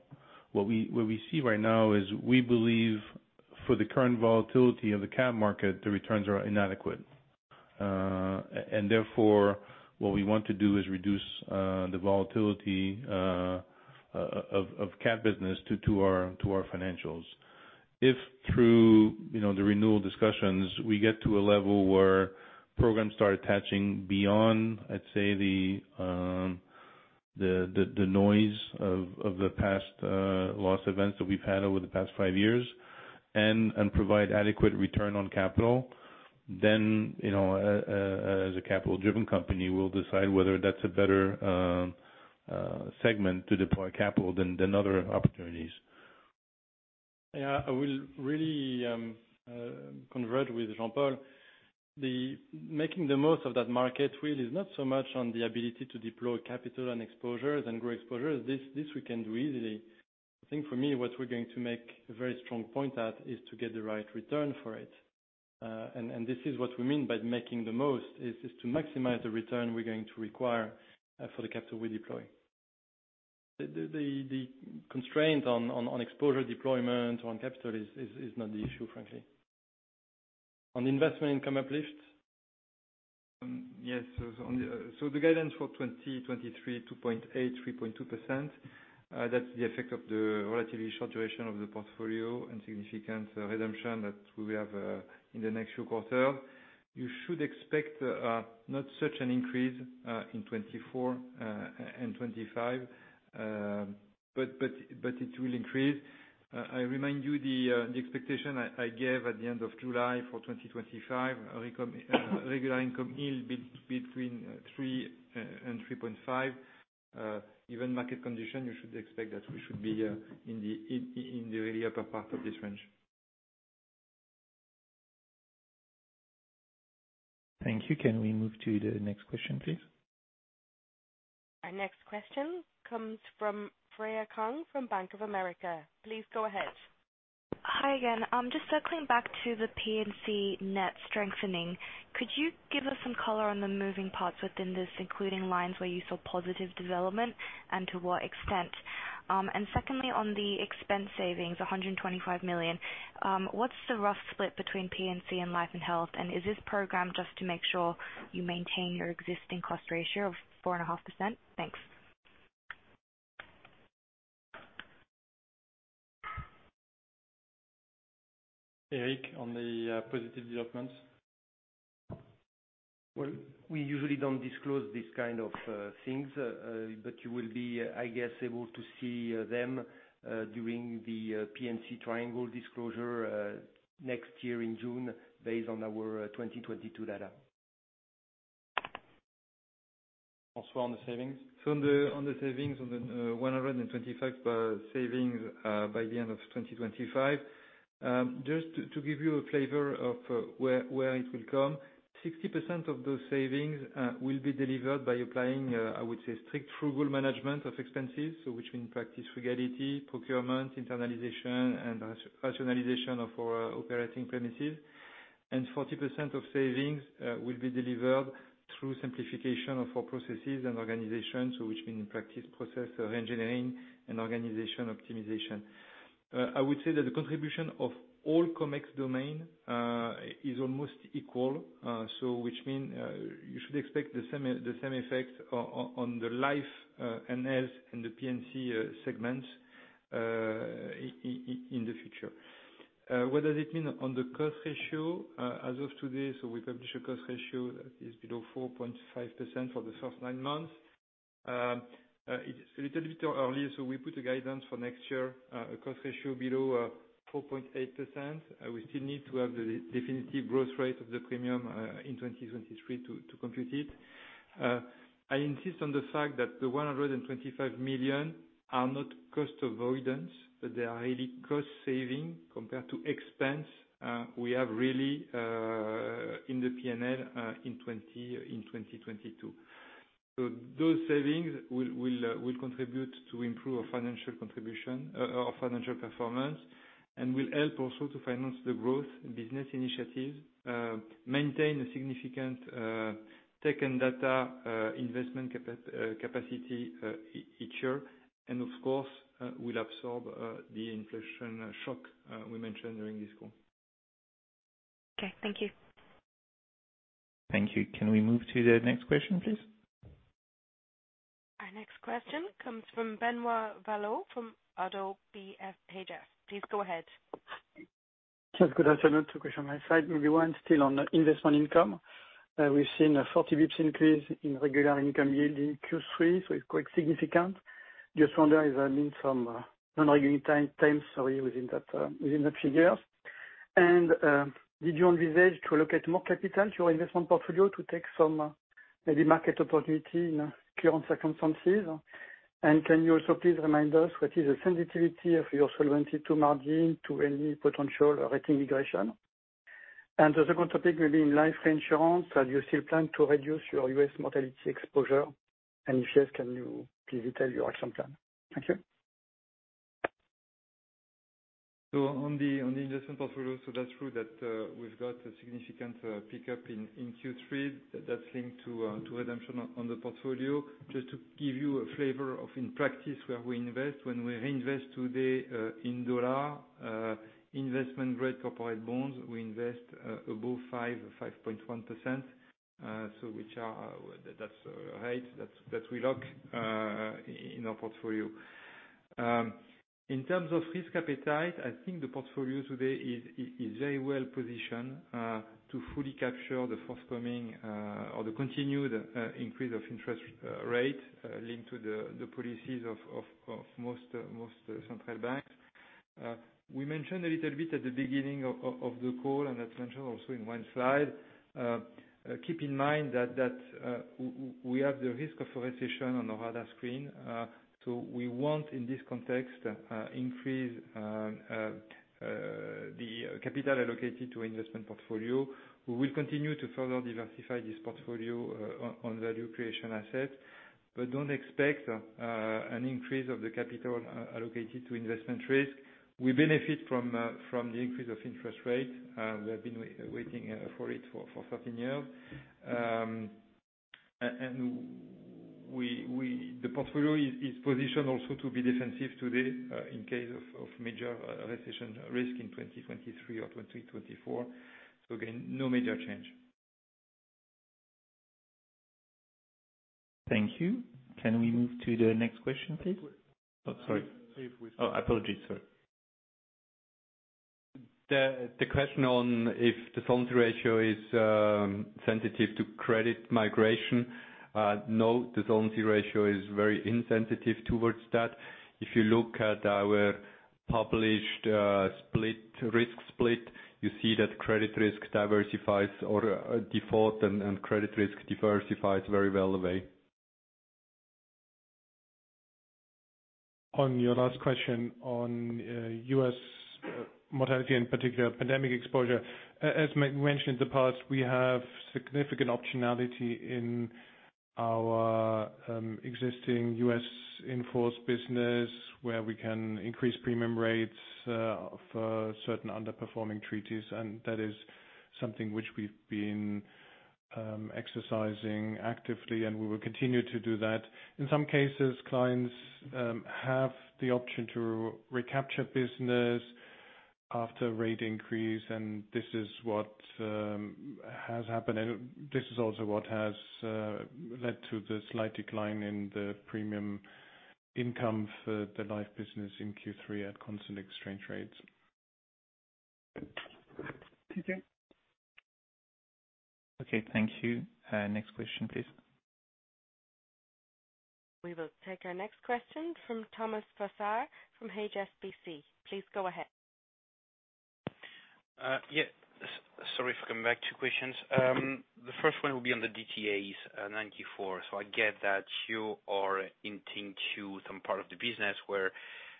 What we see right now is we believe for the current volatility of the CAT market, the returns are inadequate. Therefore, what we want to do is reduce the volatility of CAT business to our financials. If through the renewal discussions, we get to a level where programs start attaching beyond, I'd say, the noise of the past loss events that we've had over the past five years and provide adequate return on capital, then, you know, as a capital-driven company, we'll decide whether that's a better segment to deploy capital than other opportunities. Yeah. I will really consult with Jean-Paul. The making the most of that market really is not so much on the ability to deploy capital and exposures and grow exposures. This we can do easily. I think for me, what we're going to make a very strong point at is to get the right return for it. And this is what we mean by making the most, is to maximize the return we're going to require for the capital we deploy. The constraint on exposure deployment, on capital is not the issue, frankly. On investment income uplift? Yes. The guidance for 2023, 2.8%-3.2%, that's the effect of the relatively short duration of the portfolio and significant redemption that we have in the next few quarter. You should expect not such an increase in 2024 and 2025. It will increase. I remind you the expectation I gave at the end of July for 2025, a regular income yield between 3% and 3.5%. Even in market conditions, you should expect that we should be in the really upper part of this range. Thank you. Can we move to the next question, please? Our next question comes from Freya Kong from Bank of America. Please go ahead. Hi again. I'm just circling back to the P&C net strengthening. Could you give us some color on the moving parts within this, including lines where you saw positive development and to what extent? Secondly, on the expense savings, 125 million, what's the rough split between P&C and life and health? Is this program just to make sure you maintain your existing cost ratio of 4.5%? Thanks. Eric, on the positive developments. Well, we usually don't disclose these kind of things. You will be, I guess, able to see them during the P&C triangle disclosure next year in June based on our 2022 data. François, on the savings. On the 125 savings by the end of 2025, just to give you a flavor of where it will come, 60% of those savings will be delivered by applying, I would say, strict frugal management of expenses. Which means practice frugality, procurement, internalization, and rationalization of our operating premises. 40% of savings will be delivered through simplification of our processes and organizations. Which means in practice, process engineering and organization optimization. I would say that the contribution of all Comex domains is almost equal. Which means you should expect the same effect on the life and health and the P&C segment in the future. What does it mean on the cost ratio as of today? We publish a cost ratio that is below 4.5% for the first nine months. It's a little bit early, so we put a guidance for next year, a cost ratio below 4.8%. We still need to have the definitive growth rate of the premium in 2023 to compute it. I insist on the fact that the 125 million are not cost avoidance, but they are really cost saving compared to expense we have really in the P&L in 2022. So those savings will contribute to improve our financial contribution, our financial performance. Will help also to finance the growth business initiatives, maintain a significant tech and data investment capacity each year. Of course, will absorb the inflation shock we mentioned during this call. Okay. Thank you. Thank you. Can we move to the next question, please? Our next question comes from Benoit Valleaux from ODDO BHF. Please go ahead. Yes, good afternoon. Two questions on my side. Maybe one still on investment income. We've seen a 40 basis points increase in regular income yield in Q3, so it's quite significant. Just wonder if there's been some non-recurring item, sorry, within that figure. Did you envisage to allocate more capital to your investment portfolio to take some maybe market opportunity in current circumstances? Can you also please remind us what is the sensitivity of your solvency margin to any potential rating migration? The second topic will be in life insurance. Do you still plan to reduce your U.S. mortality exposure? If yes, can you please tell us your action plan? Thank you. On the investment portfolio, that's true that we've got a significant pickup in Q3 that's linked to redemption on the portfolio. Just to give you a flavor of in practice where we invest. When we reinvest today, in dollar, investment-grade corporate bonds, we invest above 5 or 5.1%. Which are. That's a rate that we lock in our portfolio. In terms of risk appetite, I think the portfolio today is very well positioned to fully capture the forthcoming or the continued increase of interest rate linked to the policies of most central banks. We mentioned a little bit at the beginning of the call, and that's mentioned also in one slide. Keep in mind that we have the risk of a recession on our radar screen. We want, in this context, to increase the capital allocated to investment portfolio. We will continue to further diversify this portfolio on value creation assets. But don't expect an increase of the capital allocated to investment risk. We benefit from the increase of interest rates. We have been waiting for it for 13 years. The portfolio is positioned also to be defensive today in case of major recession risk in 2023 or 2024. Again, no major change. Thank you. Can we move to the next question, please? Oh, sorry. Oh, apologies, sir. The question on if the solvency ratio is sensitive to credit migration. No, the solvency ratio is very insensitive towards that. If you look at our published split risk split, you see that credit risk diversifies or default and credit risk diversifies very well away. On your last question on U.S. mortality, in particular pandemic exposure. As mentioned in the past, we have significant optionality in our existing U.S. in-force business, where we can increase premium rates for certain underperforming treaties. That is something which we've been exercising actively, and we will continue to do that. In some cases, clients have the option to recapture business after rate increase, and this is what has happened. This is also what has led to the slight decline in the premium income for the life business in Q3 at constant exchange rates. Thank you. Okay. Thank you. Next question, please. We will take our next question from Thomas Fossard from HSBC. Please go ahead. Sorry for coming back. Two questions. The first one will be on the DTAs, 94. I get that you are hinting to some part of the business where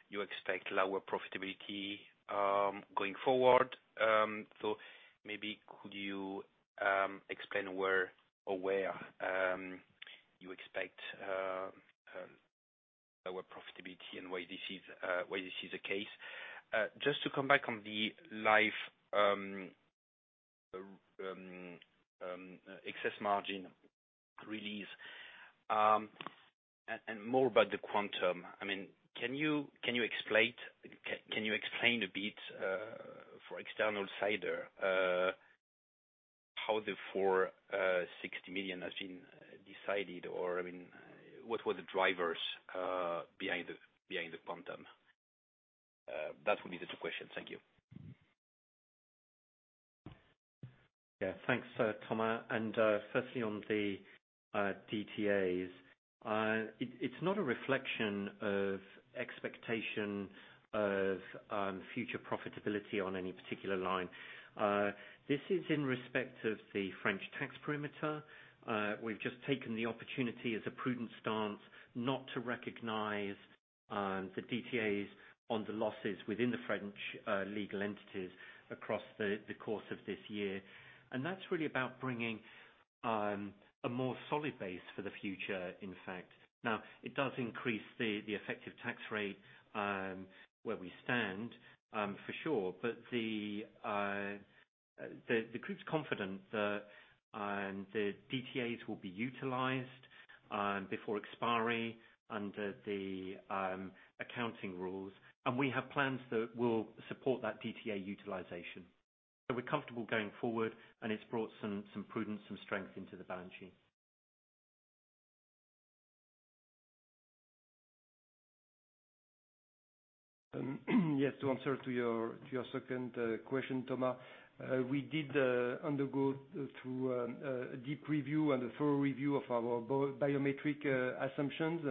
you expect lower profitability, going forward. Maybe could you explain where you expect our profitability and why this is the case. Just to come back on the life excess margin release, and more about the quantum. I mean, can you explain a bit, for the external side, how the 460 million has been decided? Or, I mean, what were the drivers behind the quantum? That would be the two questions. Thank you. Yeah, thanks, Thomas. Firstly on the DTAs, it's not a reflection of expectation of future profitability on any particular line. This is in respect of the French tax perimeter. We've just taken the opportunity as a prudent stance not to recognize the DTAs on the losses within the French legal entities across the course of this year. That's really about bringing a more solid base for the future, in fact. Now, it does increase the effective tax rate where we stand for sure. The group's confident that the DTAs will be utilized before expiry under the accounting rules. We have plans that will support that DTA utilization. We're comfortable going forward, and it's brought some prudence, some strength into the balance sheet. Yes, to answer your second question, Thomas. We did go through a deep review and a thorough review of our biometric assumptions.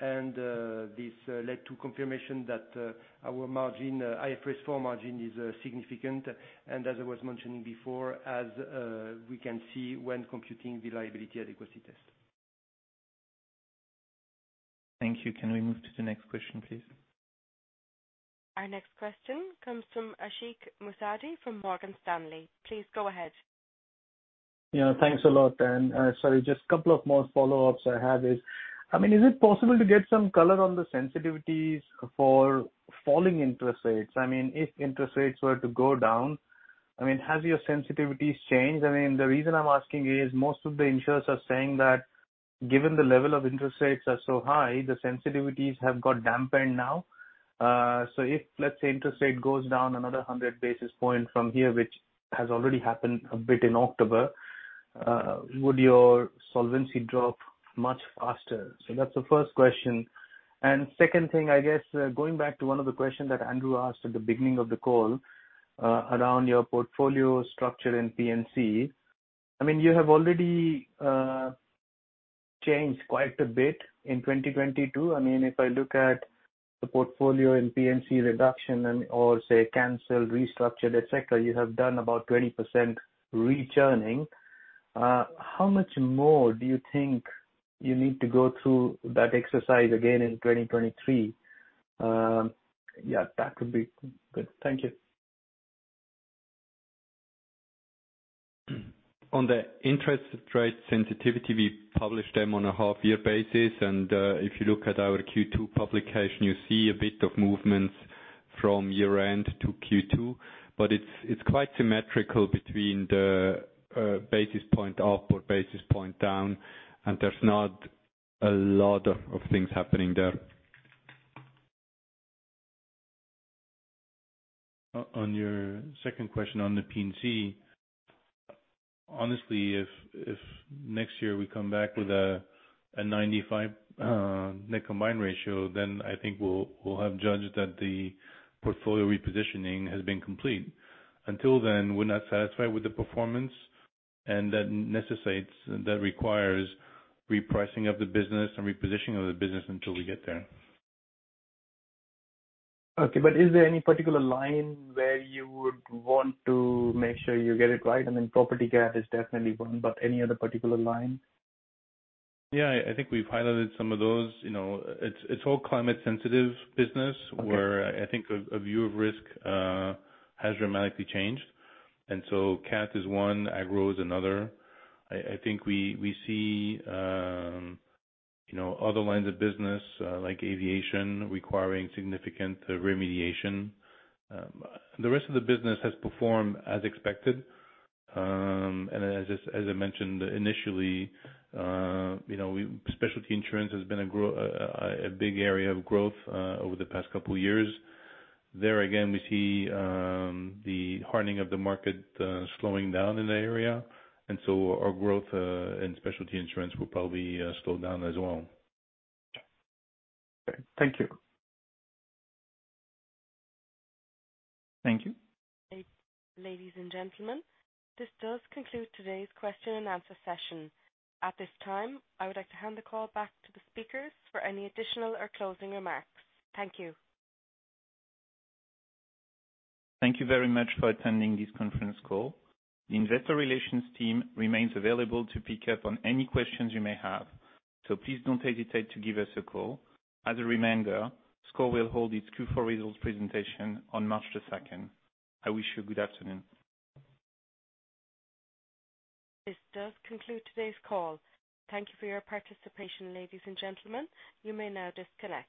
This led to confirmation that our IFRS 4 margin is significant. As I was mentioning before, as we can see when computing the liability adequacy test. Thank you. Can we move to the next question, please? Our next question comes from Ashik Musaddi from Morgan Stanley. Please go ahead. Yeah, thanks a lot. Sorry, just a couple of more follow-ups I have is I mean, is it possible to get some color on the sensitivities for falling interest rates? I mean, if interest rates were to go down, I mean, have your sensitivities changed? I mean, the reason I'm asking is most of the insurers are saying that given the level of interest rates are so high, the sensitivities have got dampened now. If, let's say, interest rate goes down another 100 basis point from here, which has already happened a bit in October, would your solvency drop much faster? That's the first question. Second thing, I guess, going back to one of the questions that Andrew asked at the beginning of the call, around your portfolio structure in P&C. I mean, you have already changed quite a bit in 2022. I mean, if I look at the portfolio in P&C reduction and/or, say, canceled, restructured, etc., you have done about 20% reunderwriting. How much more do you think you need to go through that exercise again in 2023? That would be good. Thank you. On the interest rate sensitivity, we publish them on a half year basis. If you look at our Q2 publication, you see a bit of movements from year-end to Q2, but it's quite symmetrical between the basis point up or basis point down, and there's not a lot of things happening there. On your second question on the P&C, honestly, if next year we come back with a 95% net combined ratio, then I think we'll have judged that the portfolio repositioning has been complete. Until then, we're not satisfied with the performance and that necessitates, that requires repricing of the business and repositioning of the business until we get there. Okay, is there any particular line where you would want to make sure you get it right? Property cat is definitely one, but any other particular line? Yeah, I think we've highlighted some of those. You know, it's all climate sensitive business. Okay. Where I think a view of risk has dramatically changed. Cat is one, agro is another. I think we see you know other lines of business like aviation requiring significant remediation. The rest of the business has performed as expected. As I mentioned initially, specialty insurance has been a big area of growth over the past couple of years. There again, we see the hardening of the market slowing down in the area. Our growth in specialty insurance will probably slow down as well. Okay. Thank you. Thank you. Ladies and gentlemen, this does conclude today's question and answer session. At this time, I would like to hand the call back to the speakers for any additional or closing remarks. Thank you. Thank you very much for attending this conference call. The investor relations team remains available to pick up on any questions you may have, so please don't hesitate to give us a call. As a reminder, SCOR will hold its Q4 results presentation on March the second. I wish you a good afternoon. This does conclude today's call. Thank you for your participation, ladies and gentlemen. You may now disconnect.